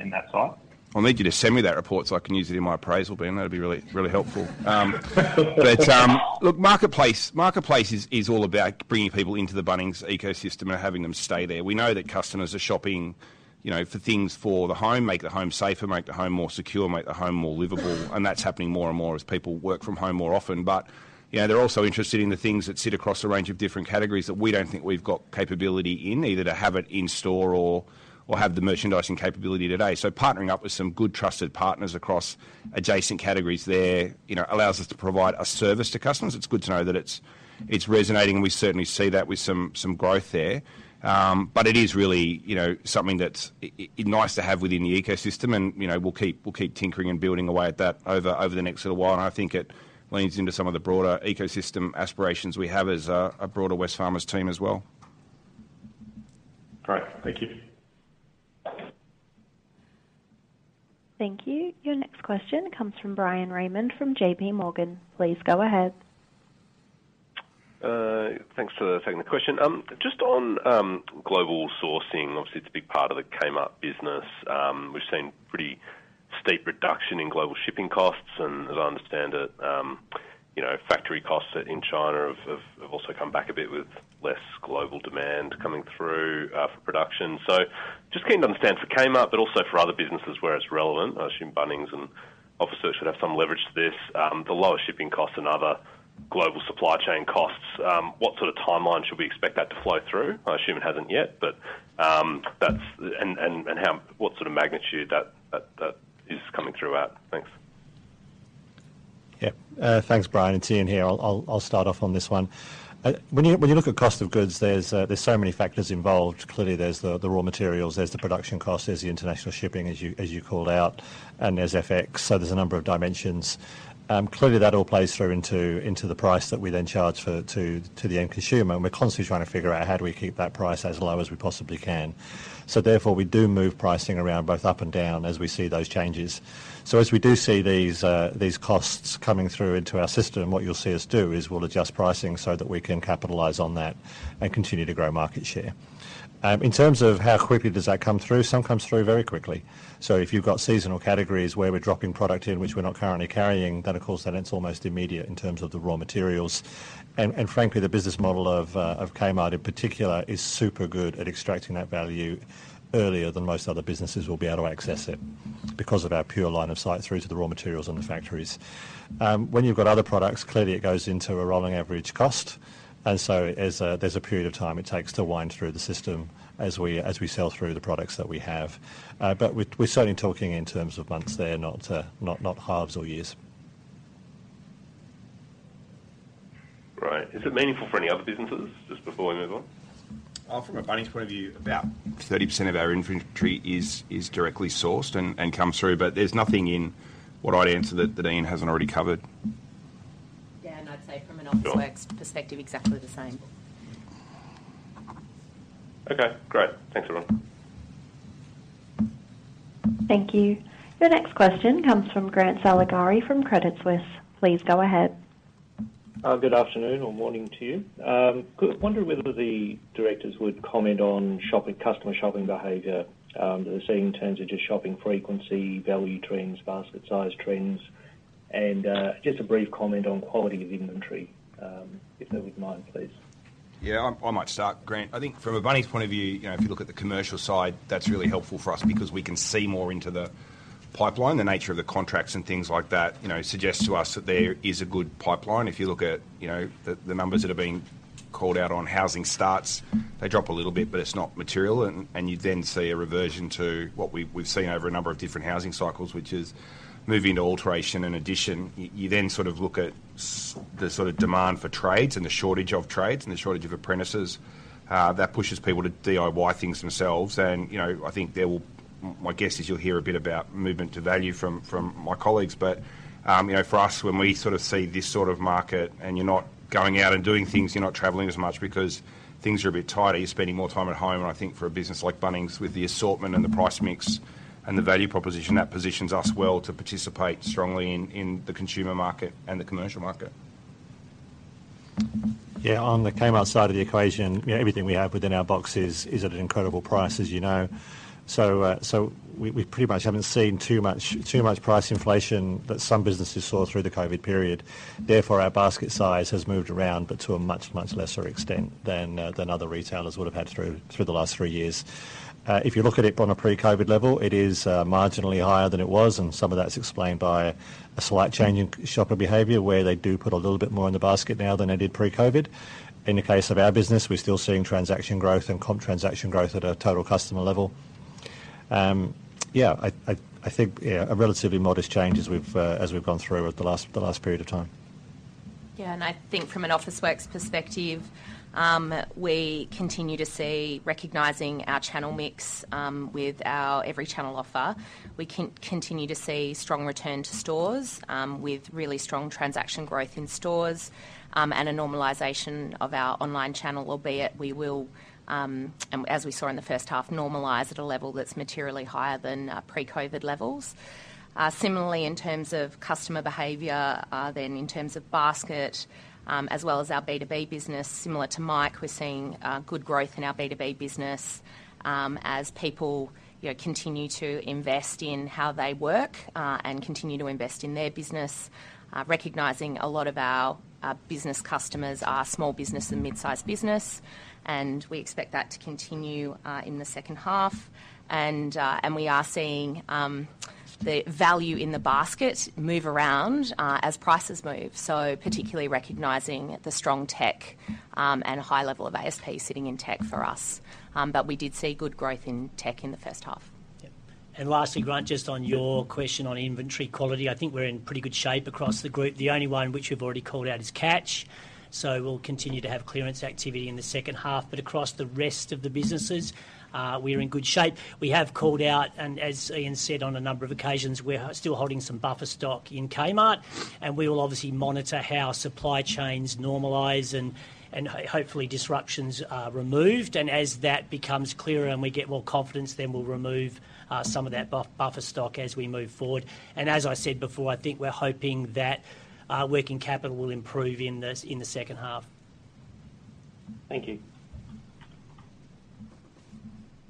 in that site? I'll need you to send me that report so I can use it in my appraisal, Ben. That'd be really, really helpful. Look, Marketplace is all about bringing people into the Bunnings ecosystem and having them stay there. We know that customers are shopping, you know, for things for the home, make the home safer, make the home more secure, make the home more livable, and that's happening more and more as people work from home more often. They're also interested in the things that sit across a range of different categories that we don't think we've got capability in, either to have it in store or have the merchandising capability today. Partnering up with some good trusted partners across adjacent categories there, you know, allows us to provide a service to customers. It's good to know that it's resonating, we certainly see that with some growth there. It is really, you know, something that's nice to have within the ecosystem and, you know, we'll keep tinkering and building away at that over the next little while. I think it leans into some of the broader ecosystem aspirations we have as a broader Wesfarmers team as well. Great. Thank you. Thank you. Your next question comes from Bryan Raymond from JP Morgan. Please go ahead. Thanks for taking the question. Just on global sourcing, obviously it's a big part of the Kmart business. We've seen pretty steep reduction in global shipping costs, and as I understand it, you know, factory costs in China have also come back a bit with less global demand coming through for production. Just keen to understand for Kmart, but also for other businesses where it's relevant, I assume Bunnings and Officeworks should have some leverage to this, the lower shipping costs and other global supply chain costs. What sort of timeline should we expect that to flow through? I assume it hasn't yet, but how, what sort of magnitude that is coming through at? Thanks. Yeah. Thanks, Bryan. It's Ian here. I'll start off on this one. When you look at cost of goods, there's so many factors involved. Clearly there's the raw materials, there's the production cost, there's the international shipping, as you called out, and there's FX. There's a number of dimensions. Clearly that all plays through into the price that we then charge for, to the end consumer, and we're constantly trying to figure out how do we keep that price as low as we possibly can. Therefore, we do move pricing around both up and down as we see those changes. As we do see these costs coming through into our system, what you'll see us do is we'll adjust pricing so that we can capitalize on that and continue to grow market share. In terms of how quickly does that come through, some comes through very quickly. If you've got seasonal categories where we're dropping product in which we're not currently carrying, then of course that it's almost immediate in terms of the raw materials. Frankly, the business model of Kmart in particular is super good at extracting that value earlier than most other businesses will be able to access it because of our pure line of sight through to the raw materials and the factories. When you've got other products, clearly it goes into a rolling average cost. There's a period of time it takes to wind through the system as we sell through the products that we have. We're certainly talking in terms of months there, not halves or years. Right. Is it meaningful for any other businesses, just before we move on? From a Bunnings point of view, about 30% of our inventory is directly sourced and comes through, but there's nothing in what I'd answer that Ian hasn't already covered. Yeah, I'd say from an Officeworks perspective, exactly the same. Okay, great. Thanks, everyone. Thank you. Your next question comes from Grant Saligari from Credit Suisse. Please go ahead. Good afternoon or morning to you. Wonder whether the directors would comment on shopping, customer shopping behavior that they're seeing in terms of just shopping frequency, value trends, basket size trends, and just a brief comment on quality of inventory, if they would mind, please? Yeah, I might start, Grant. I think from a Bunnings point of view, you know, if you look at the commercial side, that's really helpful for us because we can see more into the pipeline. The nature of the contracts and things like that, you know, suggests to us that there is a good pipeline. If you look at, you know, the numbers that are being called out on housing starts, they drop a little bit, but it's not material and you then see a reversion to what we've seen over a number of different housing cycles, which is moving to alteration and addition. You then sort of look at the sort of demand for trades and the shortage of trades and the shortage of apprentices that pushes people to DIY things themselves. You know, I think there will... My guess is you'll hear a bit about movement to value from my colleagues. You know, for us, when we sort of see this sort of market and you're not going out and doing things, you're not traveling as much because things are a bit tighter, you're spending more time at home. I think for a business like Bunnings, with the assortment and the price mix and the value proposition, that positions us well to participate strongly in the consumer market and the commercial market. On the Kmart side of the equation, you know, everything we have within our boxes is at an incredible price, as you know. We pretty much haven't seen too much price inflation that some businesses saw through the COVID period. Therefore, our basket size has moved around, but to a much lesser extent than other retailers would have had through the last three years. If you look at it on a pre-COVID level, it is marginally higher than it was, and some of that's explained by a slight change in shopper behavior, where they do put a little bit more in the basket now than they did pre-COVID. In the case of our business, we're still seeing transaction growth and comp transaction growth at a total customer level. Yeah, I think, yeah, a relatively modest change as we've gone through the last period of time. I think from an Officeworks perspective, we continue to see recognizing our channel mix, with our every channel offer. We continue to see strong return to stores, with really strong transaction growth in stores, and a normalization of our online channel, albeit we will, and as we saw in the first half, normalize at a level that's materially higher than pre-COVID levels. Similarly, in terms of customer behavior, in terms of basket, as well as our B2B business, similar to Mike, we're seeing good growth in our B2B business, as people, you know, continue to invest in how they work, and continue to invest in their business, recognizing a lot of our business customers are small business and mid-sized business, and we expect that to continue in the second half. we are seeing the value in the basket move around as prices move. particularly recognizing the strong tech and high level of ASP sitting in tech for us. we did see good growth in tech in the first half. Yep. Lastly, Grant, just on your question on inventory quality, I think we're in pretty good shape across the group. The only one which we've already called out is Catch. We'll continue to have clearance activity in the second half. Across the rest of the businesses, we're in good shape. We have called out, and as Ian said on a number of occasions, we're still holding some buffer stock in Kmart, and we will obviously monitor how supply chains normalize and hopefully disruptions are removed. As that becomes clearer and we get more confidence, we'll remove some of that buffer stock as we move forward. As I said before, I think we're hoping that working capital will improve in the second half. Thank you.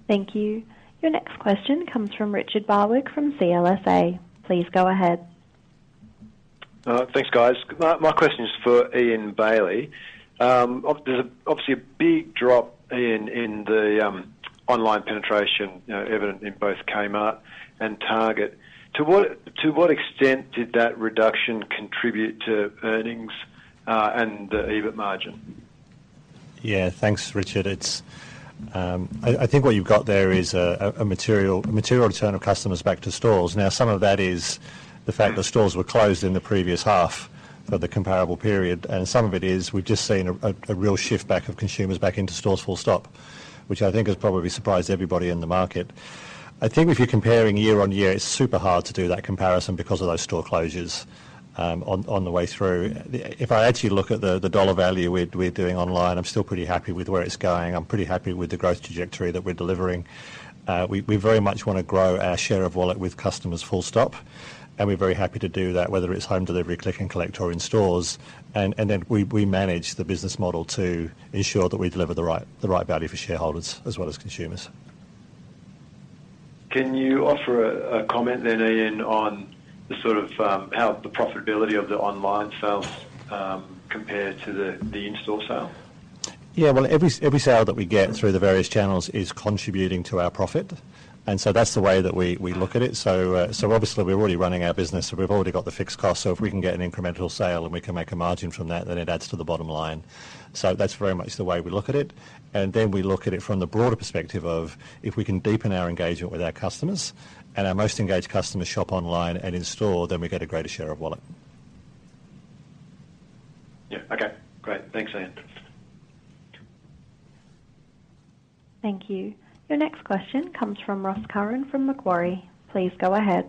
Thank you. Your next question comes from Richard Barwick from CLSA. Please go ahead. Thanks, guys. My question is for Ian Bailey. There's obviously a big drop in the online penetration, evident in both Kmart and Target. To what extent did that reduction contribute to earnings and the EBIT margin? Yeah, thanks, Richard. It's, I think what you've got there is a material return of customers back to stores. Some of that is the fact that stores were closed in the previous half of the comparable period, and some of it is we've just seen a real shift back of consumers back into stores full stop, which I think has probably surprised everybody in the market. I think if you're comparing year-on-year, it's super hard to do that comparison because of those store closures on the way through. If I actually look at the dollar value we're doing online, I'm still pretty happy with where it's going. I'm pretty happy with the growth trajectory that we're delivering. We very much wanna grow our share of wallet with customers full stop, and we're very happy to do that, whether it's home delivery, Click & Collect, or in stores. We manage the business model to ensure that we deliver the right value for shareholders as well as consumers. Can you offer a comment then, Ian, on the sort of, how the profitability of the online sales, compare to the in-store sale? Yeah. Well, every sale that we get through the various channels is contributing to our profit, that's the way that we look at it. Obviously we're already running our business, so we've already got the fixed costs. If we can get an incremental sale and we can make a margin from that, then it adds to the bottom line. That's very much the way we look at it. We look at it from the broader perspective of if we can deepen our engagement with our customers, and our most engaged customers shop online and in-store, then we get a greater share of wallet. Yeah. Okay. Great. Thanks, Ian. Thank you. Your next question comes from Ross Curran from Macquarie. Please go ahead.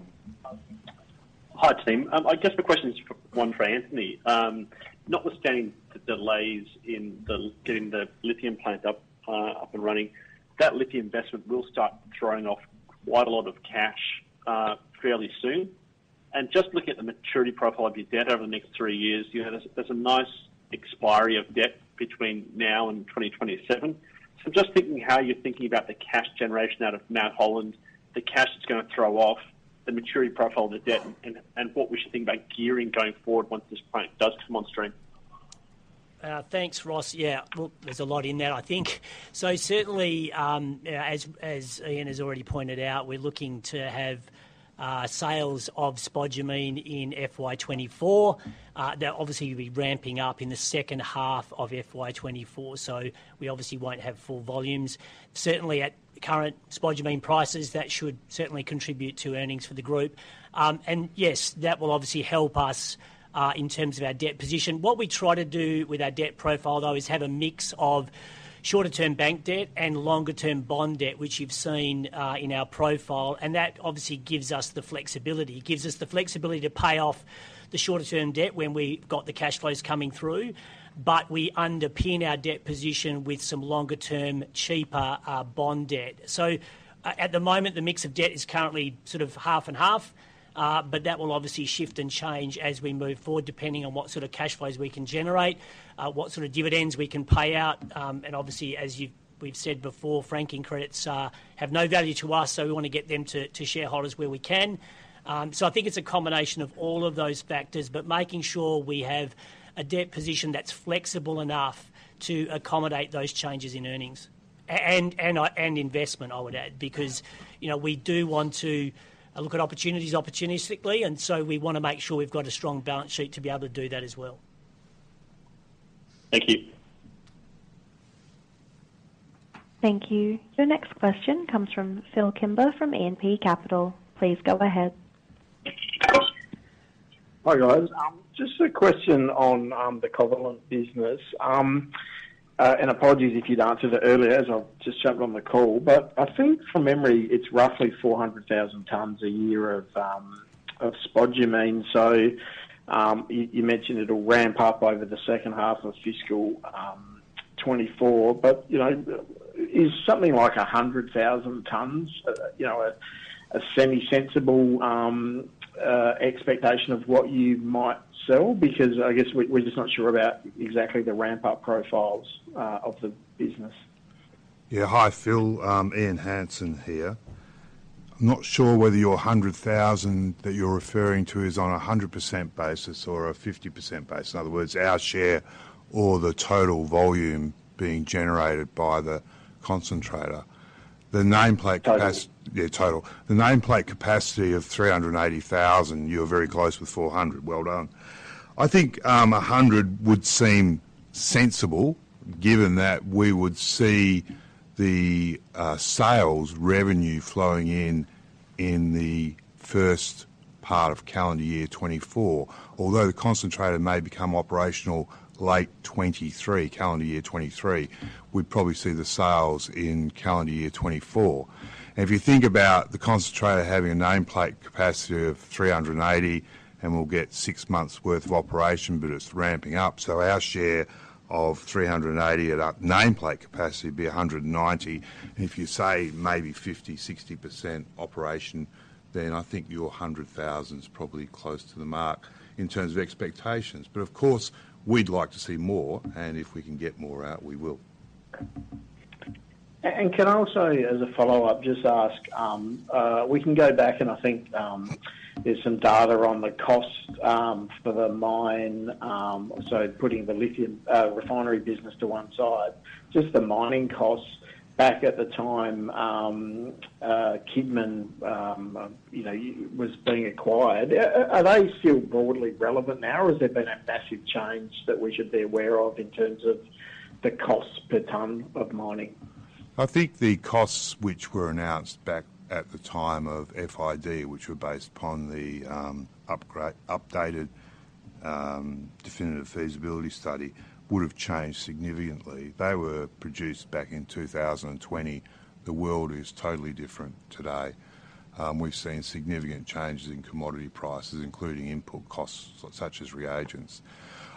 Hi, team. I guess the question is for one for Anthony. Notwithstanding the delays in getting the lithium plant up and running, that lithium investment will start throwing off quite a lot of cash fairly soon. Just looking at the maturity profile of your debt over the next three years, you know, there's a nice expiry of debt between now and 2027. Just thinking how you're thinking about the cash generation out of Mt Holland, the cash it's gonna throw off, the maturity profile of the debt and what we should think about gearing going forward once this plant does come on stream. Thanks, Ross. Yeah. Look, there's a lot in that, I think. Certainly, as Ian has already pointed out, we're looking to have sales of spodumene in FY 2024. They'll obviously be ramping up in the second half of FY 2024, we obviously won't have full volumes. Certainly at current spodumene prices, that should certainly contribute to earnings for the group. Yes, that will obviously help us in terms of our debt position. What we try to do with our debt profile, though, is have a mix of shorter term bank debt and longer term bond debt, which you've seen in our profile, that obviously gives us the flexibility. Gives us the flexibility to pay off the shorter term debt when we've got the cash flows coming through. We underpin our debt position with some longer term, cheaper bond debt. At the moment, the mix of debt is currently sort of half and half. That will obviously shift and change as we move forward, depending on what sort of cash flows we can generate, what sort of dividends we can pay out. Obviously, as we've said before, franking credits have no value to us, so we wanna get them to shareholders where we can. I think it's a combination of all of those factors, making sure we have a debt position that's flexible enough to accommodate those changes in earnings. Investment, I would add, because, you know, we do want to look at opportunities opportunistically, and so we wanna make sure we've got a strong balance sheet to be able to do that as well. Thank you. Thank you. Your next question comes from Phil Kimber from E&P Capital. Please go ahead. Hi, guys. Just a question on the Covalent business. Apologies if you'd answered it earlier, as I've just jumped on the call. I think from memory, it's roughly 400,000 tons a year of spodumene. You mentioned it'll ramp up over the second half of fiscal 2024. You know, is something like 100,000 tons, you know, a semi-sensible expectation of what you might sell? Because I guess we're just not sure about exactly the ramp-up profiles of the business. Yeah. Hi, Phil. Ian Hansen here. I'm not sure whether your 100,000 that you're referring to is on a 100% basis or a 50% basis. In other words, our share or the total volume being generated by the concentrator. The nameplate Total. Yeah, total. The nameplate capacity of 380,000, you're very close with 400. Well done. I think 100 would seem sensible given that we would see the sales revenue flowing in in the first part of calendar year 2024. Although the concentrator may become operational late 2023, calendar year 2023, we'd probably see the sales in calendar year 2024. If you think about the concentrator having a nameplate capacity of 380, and we'll get 6 months worth of operation, but it's ramping up. Our share of 380 at a nameplate capacity would be 190. If you say maybe 50%, 60% operation, I think your 100,000's probably close to the mark in terms of expectations. Of course, we'd like to see more, and if we can get more out, we will. Can I also, as a follow-up, just ask, we can go back and I think, there's some data on the cost, for the mine, so putting the lithium refinery business to one side. Just the mining costs back at the time, Kidman, you know, was being acquired. Are they still broadly relevant now, or has there been a massive change that we should be aware of in terms of the cost per ton of mining? I think the costs which were announced back at the time of FID, which were based upon the updated definitive feasibility study, would have changed significantly. They were produced back in 2020. The world is totally different today. We've seen significant changes in commodity prices, including input costs such as reagents.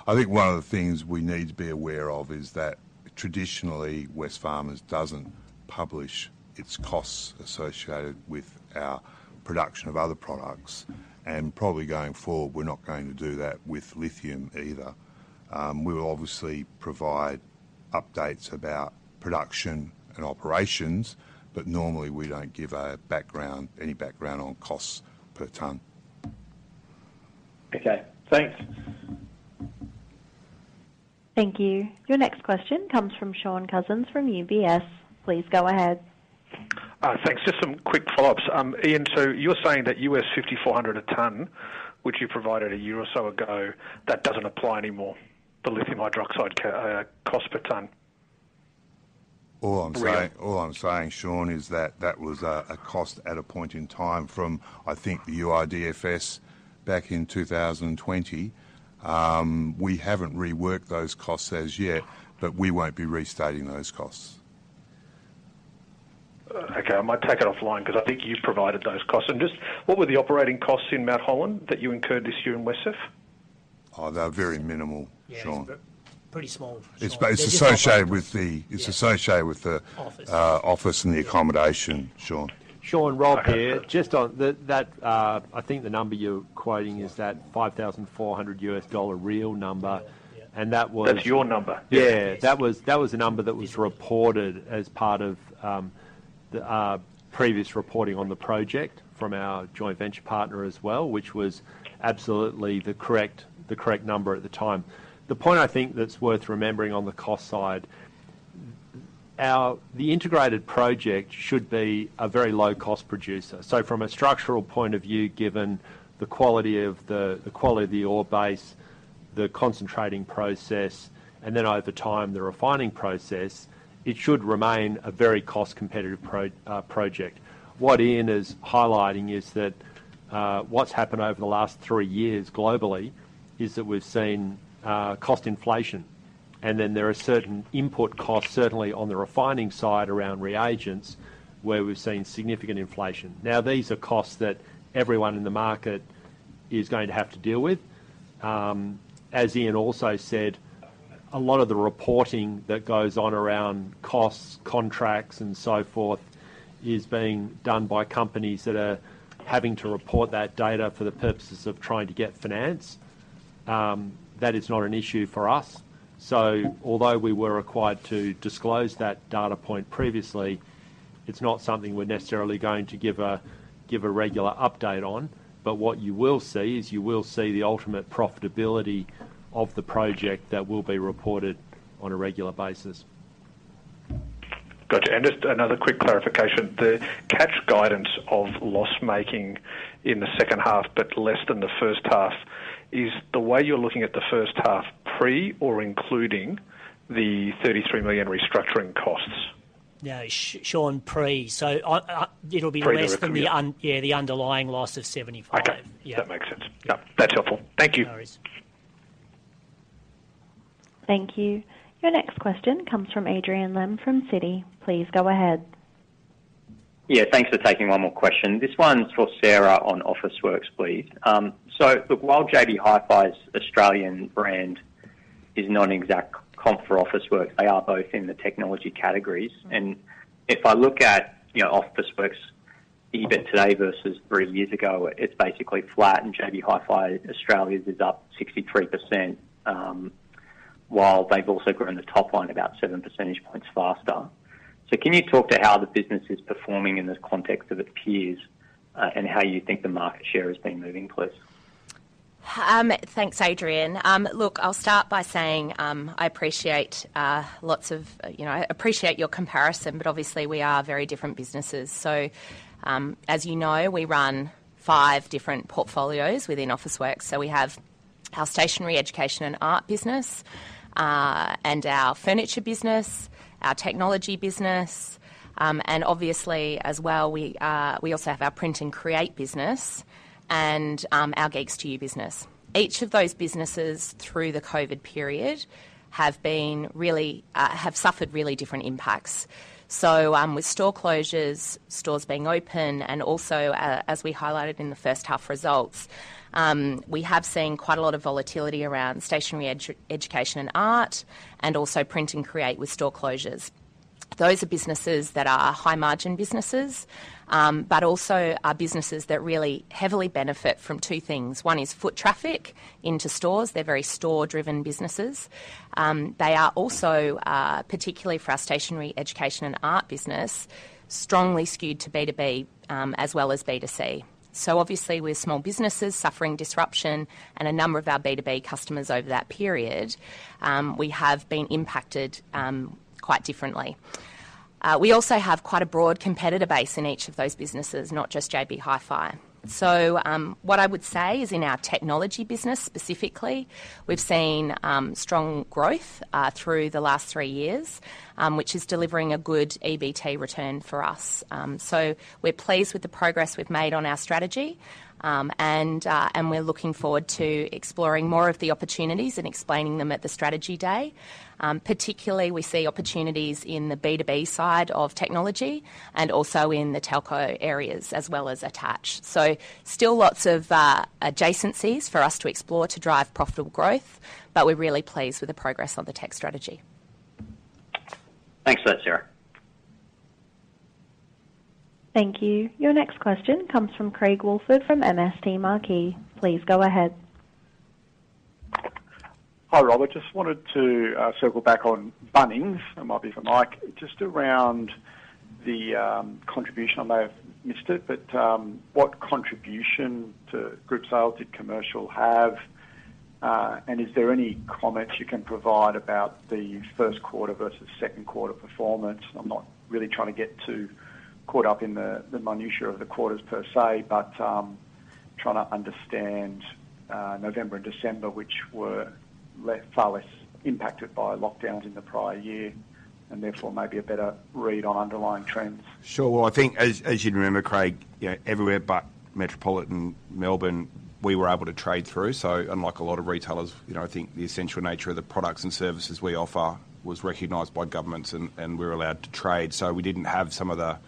I think one of the things we need to be aware of is that traditionally, Wesfarmers doesn't publish its costs associated with our production of other products, and probably going forward, we're not going to do that with lithium either. We will obviously provide updates about production and operations, but normally we don't give a background, any background on costs per tonne. Okay, thanks. Thank you. Your next question comes from Shaun Cousins from UBS. Please go ahead. Thanks. Just some quick follow-ups. Ian, you're saying that $5,400 a tonne, which you provided a year or so ago, that doesn't apply anymore, the lithium hydroxide cost per tonne? All I'm saying Real. All I'm saying, Shaun, is that that was a cost at a point in time from, I think, the I&S back in 2020. We haven't reworked those costs as yet, but we won't be restating those costs. Okay. I might take it offline because I think you've provided those costs. Just what were the operating costs in Mount Holland that you incurred this year in WesCEF? Oh, they were very minimal, Shaun. Yeah, it's pretty small. It's ba- They're just office costs. It's associated with the-. Yeah. It's associated with the-. Office. office and the accommodation, Shaun. Okay. Shaun, Rob here. Just on that, I think the number you're quoting is that $5,400 real number. Yeah. That was- That's your number. Yeah. Yes. That was a number that was reported as part of the previous reporting on the project from our joint venture partner as well, which was absolutely the correct number at the time. The point I think that's worth remembering on the cost side, the integrated project should be a very low-cost producer. From a structural point of view, given the quality of the ore base, the concentrating process, and then over time, the refining process, it should remain a very cost competitive project. What Ian is highlighting is that what's happened over the last 3 years globally is that we've seen cost inflation. There are certain input costs, certainly on the refining side around reagents, where we've seen significant inflation. These are costs that everyone in the market is going to have to deal with. As Ian also said, a lot of the reporting that goes on around costs, contracts, and so forth is being done by companies that are having to report that data for the purposes of trying to get finance. That is not an issue for us. Although we were required to disclose that data point previously, it's not something we're necessarily going to give a regular update on. What you will see is you will see the ultimate profitability of the project that will be reported on a regular basis. Gotcha. Just another quick clarification. The Catch guidance of loss making in the second half but less than the first half. Is the way you're looking at the first half pre or including the 33 million restructuring costs? No, Shaun, pre. I... It'll be less- Pre the restructure. Yeah, the underlying loss of 75. Okay. Yeah. That makes sense. Yeah, that's helpful. Thank you. No worries. Thank you. Your next question comes Adrian Lemme from Citi. Please go ahead. Yeah, thanks for taking one more question. This one's for Sarah on Officeworks, please. Look, while JB Hi-Fi's Australian brand is not an exact comp for Officeworks, they are both in the technology categories. If I look at, you know, Officeworks EBIT today versus three years ago, it's basically flat, and JB Hi-Fi Australia's is up 63%, while they've also grown the top line about 7 percentage points faster. Can you talk to how the business is performing in the context of its peers, and how you think the market share has been moving, please? Thanks, Adrian. Look, I'll start by saying, I appreciate, lots of, you know, I appreciate your comparison, but obviously we are very different businesses. As you know, we run five different portfolios within Officeworks, so we have our Stationery, Education and Art business, and our furniture business, our technology business, and obviously as well, we also have our Print and Create business and our Geeks2U business. Each of those businesses through the COVID period have been really, have suffered really different impacts. With store closures, stores being open, and also, as we highlighted in the first half results, we have seen quite a lot of volatility around Stationery, Education and Art and also Print and Create with store closures. Those are businesses that are high-margin businesses, also are businesses that really heavily benefit from two things. One is foot traffic into stores. They're very store-driven businesses. They are also, particularly for our Stationery, Education, and Art business, strongly skewed to B2B as well as B2C. Obviously with small businesses suffering disruption and a number of our B2B customers over that period, we have been impacted quite differently. We also have quite a broad competitor base in each of those businesses, not just JB Hi-Fi. What I would say is in our technology business specifically, we've seen strong growth through the last 3 years, which is delivering a good EBT return for us. We're pleased with the progress we've made on our strategy, and we're looking forward to exploring more of the opportunities and explaining them at the strategy day. Particularly, we see opportunities in the B2B side of technology and also in the telco areas, as well as attached. Still lots of adjacencies for us to explore to drive profitable growth, but we're really pleased with the progress on the tech strategy. Thanks for that, Sarah. Thank you. Your next question comes from Craig Woolford from MST Marquee. Please go ahead. Hi, Rob. I just wanted to circle back on Bunnings. It might be for Mike. Just around the contribution, I may have missed it, but what contribution to group sales did commercial have? Is there any comments you can provide about the Q1 versus Q2 performance? I'm not really trying to get too caught up in the minutiae of the quarters per se, but trying to understand November and December, which were far less impacted by lockdowns in the prior year, and therefore may be a better read on underlying trends. Sure. Well, I think as you'd remember, Craig, you know, everywhere but metropolitan Melbourne, we were able to trade through. Unlike a lot of retailers, you know, I think the essential nature of the products and services we offer was recognized by governments and we were allowed to trade. We didn't have some of the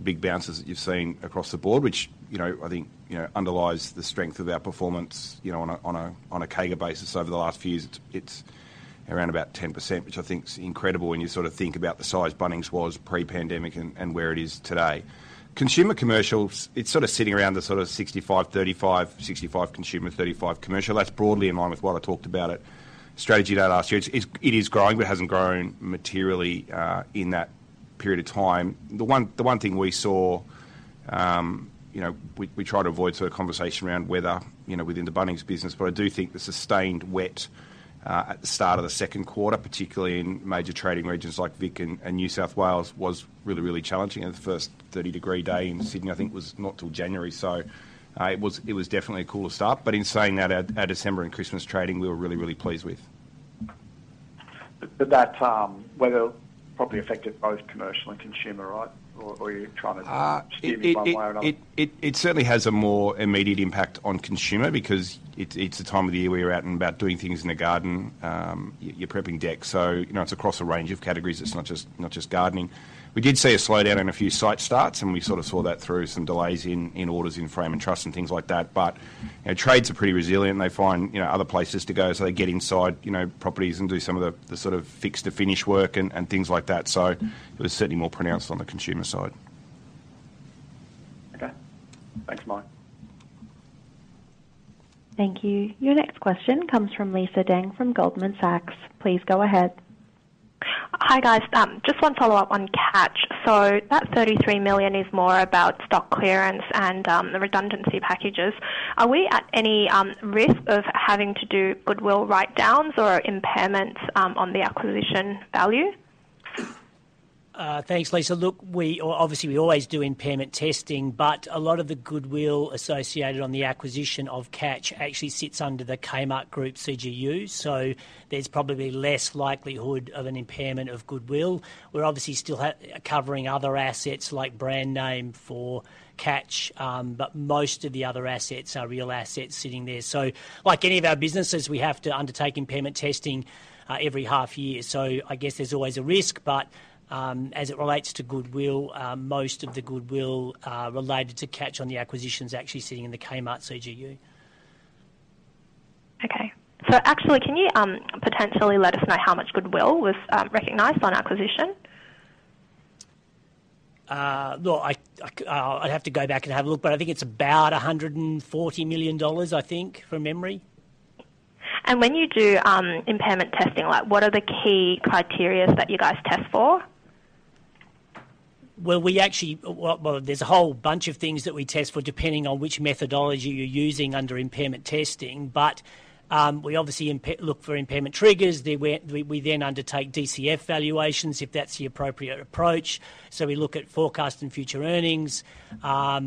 big bounces that you've seen across the board, which, you know, I think, you know, underlies the strength of our performance, you know, on a CAGR basis over the last few years. It's around about 10%, which I think is incredible when you sort of think about the size Bunnings was pre-pandemic and where it is today. Consumer commercials, it's sort of sitting around the sort of 65, 35. 65 consumer, 35 commercial. That's broadly in line with what I talked about at Strategy Day last year. It's, it is growing, but it hasn't grown materially in that period of time. The one thing we saw, you know, we try to avoid sort of conversation around weather, you know, within the Bunnings business. I do think the sustained wet at the start of the Q2, particularly in major trading regions like Vic and New South Wales, was really challenging. The first 30-degree day in Sydney, I think, was not till January. It was definitely a cooler start. In saying that, our December and Christmas trading we were really pleased with. That weather probably affected both commercial and consumer, right? Or you're trying to steer me one way or another? It certainly has a more immediate impact on consumer because it's a time of the year where you're out and about doing things in the garden. You're prepping decks. You know, it's across a range of categories. It's not just gardening. We did see a slowdown in a few site starts, and we sort of saw that through some delays in orders in frame and truss and things like that. You know, trades are pretty resilient. They find, you know, other places to go, so they get inside, you know, properties and do some of the sort of fix-to-finish work and things like that. It was certainly more pronounced on the consumer side. Okay. Thanks, Mike. Thank you. Your next question comes from Lisa Deng from Goldman Sachs. Please go ahead. Hi, guys. Just one follow-up on Catch. That 33 million is more about stock clearance and the redundancy packages. Are we at any risk of having to do goodwill write-downs or impairments on the acquisition value? Thanks Lisa. Look, we obviously we always do impairment testing, a lot of the goodwill associated on the acquisition of Catch actually sits under the Kmart Group CGU, there's probably less likelihood of an impairment of goodwill. We're obviously still covering other assets like brand name for Catch, most of the other assets are real assets sitting there. Like any of our businesses, we have to undertake impairment testing every half year. I guess there's always a risk, as it relates to goodwill, most of the goodwill related to Catch on the acquisition is actually sitting in the Kmart CGU. Actually, can you potentially let us know how much goodwill was recognized on acquisition? look, I'll have to go back and have a look, but I think it's about 140 million dollars, I think, from memory. When you do impairment testing, like what are the key criterias that you guys test for? There's a whole bunch of things that we test for, depending on which methodology you're using under impairment testing. We obviously look for impairment triggers. We then undertake DCF valuations if that's the appropriate approach. We look at forecast and future earnings.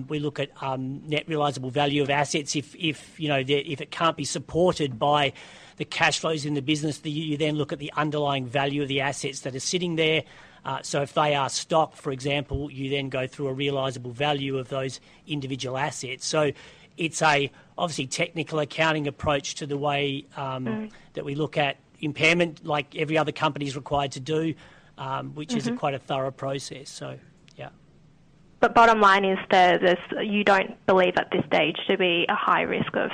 We look at net realizable value of assets. If, you know, if it can't be supported by the cash flows in the business, you then look at the underlying value of the assets that are sitting there. If they are stock, for example, you then go through a realizable value of those individual assets. It's a obviously technical accounting approach to the way. Mm-hmm that we look at impairment like every other company is required to do. Mm-hmm which is quite a thorough process. Yeah. Bottom line is there's, you don't believe at this stage to be a high risk of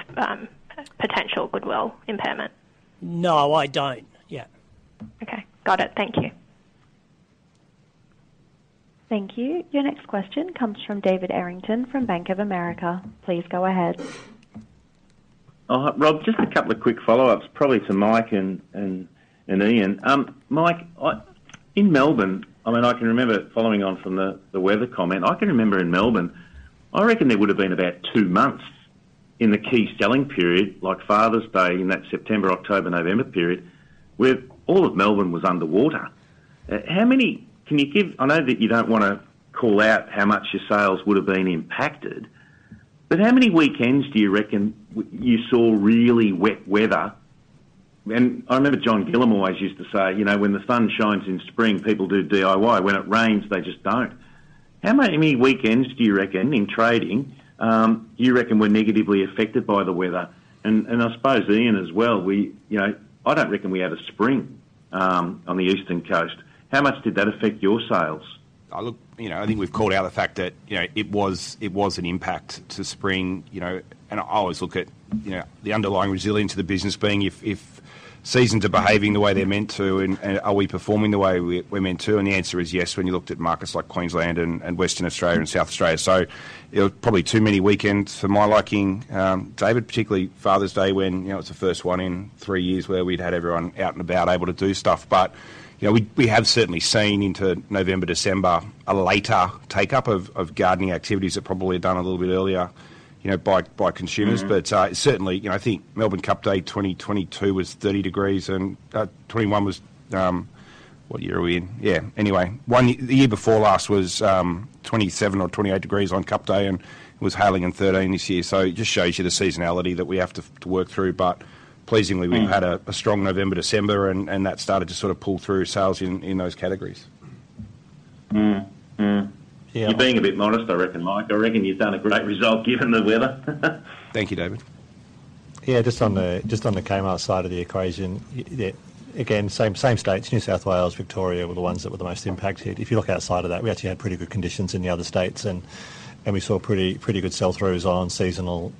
potential goodwill impairment? No, I don't. Yeah. Okay. Got it. Thank you. Thank you. Your next question comes from David Errington from Bank of America. Please go ahead. All right, Rob, just a couple of quick follow-ups, probably to Mike and Ian. Mike, in Melbourne, I mean, I can remember following on from the weather comment. I can remember in Melbourne, I reckon there would have been about two months in the key selling period, like Father's Day in that September, October, November period, where all of Melbourne was underwater. I know that you don't wanna call out how much your sales would have been impacted, but how many weekends do you reckon you saw really wet weather? I remember John Gillam always used to say, you know, "When the sun shines in spring, people do DIY. When it rains, they just don't." How many weekends do you reckon in trading, you reckon were negatively affected by the weather? I suppose, Ian, as well, we, you know, I don't reckon we had a spring on the eastern coast. How much did that affect your sales? Look, you know, I think we've called out the fact that, you know, it was an impact to spring, you know. I always look at, you know, the underlying resilience of the business being if seasons are behaving the way they're meant to and are we performing the way we're meant to. The answer is yes, when you looked at markets like Queensland and Western Australia and South Australia. It was probably too many weekends for my liking, David, particularly Father's Day when, you know, it's the first one in 3 years where we'd had everyone out and about able to do stuff. You know, we have certainly seen into November, December a later take-up of gardening activities that probably are done a little bit earlier, you know, by consumers. Mm-hmm. Certainly, you know, I think Melbourne Cup Day 2022 was 30 degrees and 2021 was... What year are we in? Anyway, the year before last was 27 or 28 degrees on Cup Day and it was hailing and 13 this year. It just shows you the seasonality that we have to work through. Pleasingly... Mm-hmm we've had a strong November, December and that started to sort of pull through sales in those categories. Mm-mm. Yeah. You're being a bit modest, I reckon, Mike. I reckon you've done a great result given the weather. Thank you, David. Yeah. Just on the Kmart side of the equation, again, same states, New South Wales, Victoria were the ones that were the most impacted. If you look outside of that, we actually had pretty good conditions in the other states and we saw pretty good sell-throughs on seasonal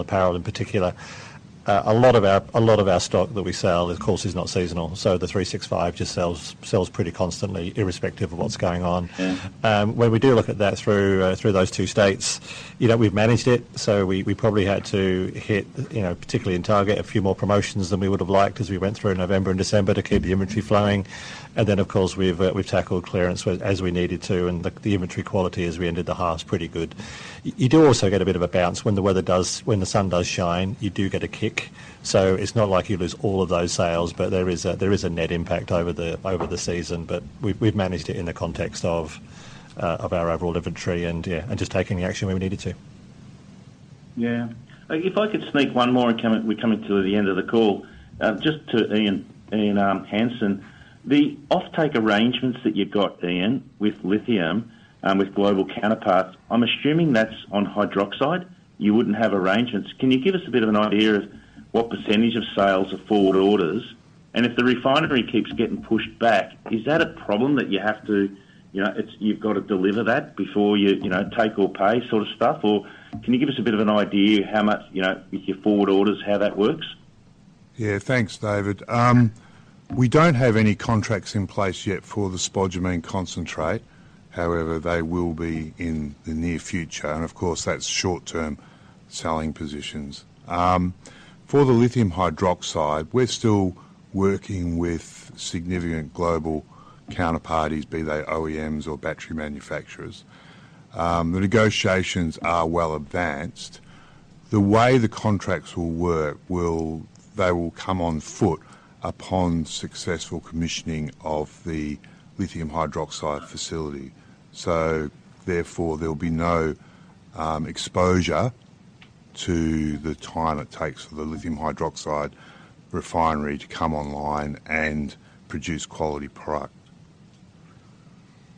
apparel in particular. A lot of our stock that we sell, of course, is not seasonal, so the three six five just sells pretty constantly irrespective of what's going on. Yeah. When we do look at that through those two states, you know, we've managed it. We, we probably had to hit, you know, particularly in Target, a few more promotions than we would have liked as we went through November and December to keep the inventory flowing. Then, of course, we've tackled clearance as we needed to and the inventory quality as we ended the half's pretty good. You do also get a bit of a bounce when the sun does shine, you do get a kick. It's not like you lose all of those sales, but there is a, there is a net impact over the, over the season. We've, we've managed it in the context of our overall inventory and yeah, and just taking the action where we needed to. Yeah. If I could sneak one more we're coming to the end of the call. Just to Ian Hansen. The offtake arrangements that you've got, Ian, with lithium with global counterparts, I'm assuming that's on hydroxide. You wouldn't have arrangements. Can you give us a bit of an idea of what percentage of sales are forward orders? If the refinery keeps getting pushed back, is that a problem that you have to, you know, it's you've got to deliver that before you know, take or pay sort of stuff? Or can you give us a bit of an idea how much, you know, your forward orders, how that works? Yeah. Thanks, David. We don't have any contracts in place yet for the spodumene concentrate. However, they will be in the near future. Of course, that's short-term selling positions. For the lithium hydroxide, we're still working with significant global counterparties, be they OEMs or battery manufacturers. The negotiations are well advanced. The way the contracts will work, they will come on foot upon successful commissioning of the lithium hydroxide facility. Therefore, there'll be no exposure to the time it takes for the lithium hydroxide refinery to come online and produce quality product.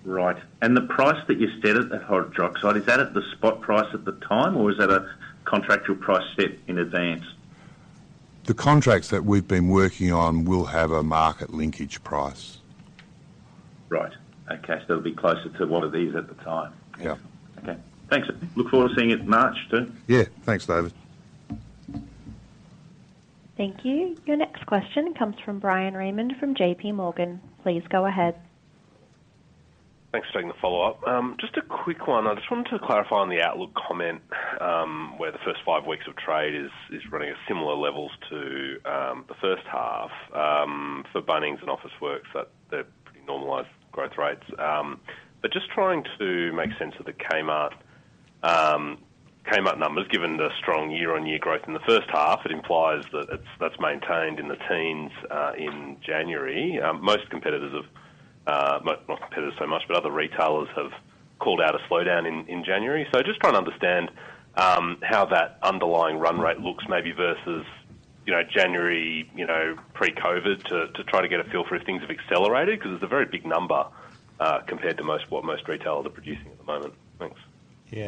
Right. The price that you set at that hydroxide, is that at the spot price at the time, or is that a contractual price set in advance? The contracts that we've been working on will have a market linkage price. Right. Okay. It'll be closer to what it is at the time. Yeah. Okay. Thanks. Look forward to seeing it in March too. Yeah. Thanks, David. Thank you. Your next question comes from Bryan Raymond from JPMorgan. Please go ahead. Thanks for taking the follow-up. Just a quick one. I just wanted to clarify on the outlook comment, where the first five weeks of trade is running at similar levels to the first half for Bunnings and Officeworks that they're pretty normalized growth rates. Just trying to make sense of the Kmart numbers, given the strong year-on-year growth in the first half, it implies that that's maintained in the teens in January. Most competitors have, not competitors so much, but other retailers have called out a slowdown in January. Just trying to understand how that underlying run rate looks maybe versus, you know, January, you know, pre-COVID to try to get a feel for if things have accelerated, 'cause it's a very big number compared to most, what most retailers are producing at the moment. Thanks.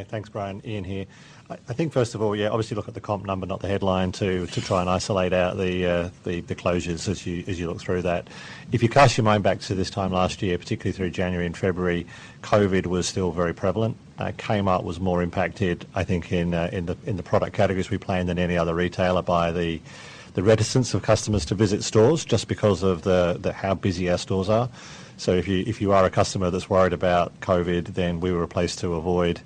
Thanks, Bryan. Ian here. I think first of all, obviously look at the comp number not the headline to try and isolate out the closures as you look through that. If you cast your mind back to this time last year, particularly through January and February, COVID was still very prevalent. Kmart was more impacted, I think, in the product categories we play than any other retailer by the reticence of customers to visit stores just because of the how busy our stores are. If you are a customer that's worried about COVID, then we were a place to avoid.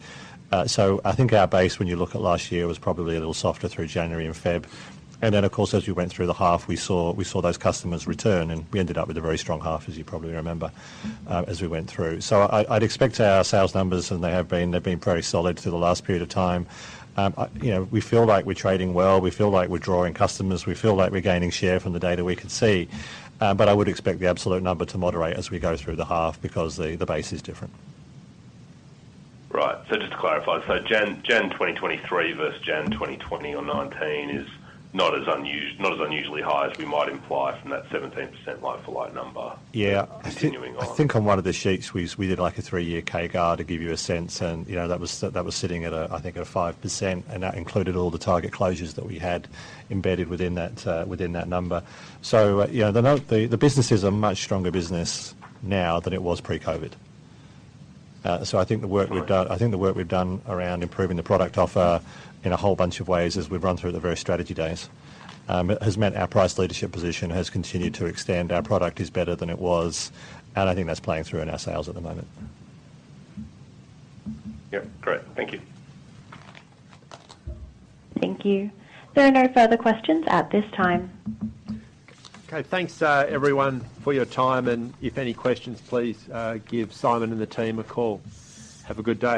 I think our base, when you look at last year, was probably a little softer through January and Feb. Then, of course, as we went through the half, we saw those customers return, and we ended up with a very strong half, as you probably remember, as we went through. I'd expect our sales numbers, and they have been, they've been very solid through the last period of time. You know, we feel like we're trading well, we feel like we're drawing customers, we feel like we're gaining share from the data we can see. I would expect the absolute number to moderate as we go through the half because the base is different. Right. Just to clarify, Jan 2023 verse Jan 2020 or 19 is not as unusually high as we might imply from that 17% like for like number. Yeah Continuing on. I think on one of the sheets, we did, like, a 3-year CAGR to give you a sense and, you know, that was sitting at a, I think, at a 5%, and that included all the Target closures that we had embedded within that number. You know, the business is a much stronger business now than it was pre-COVID. I think the work we've done. Right I think the work we've done around improving the product offer in a whole bunch of ways as we've run through the various strategy days, has meant our price leadership position has continued to extend. Our product is better than it was. I think that's playing through in our sales at the moment. Yep. Great. Thank you. Thank you. There are no further questions at this time. Okay. Thanks, everyone for your time. If any questions, please give Simon and the team a call. Have a good day.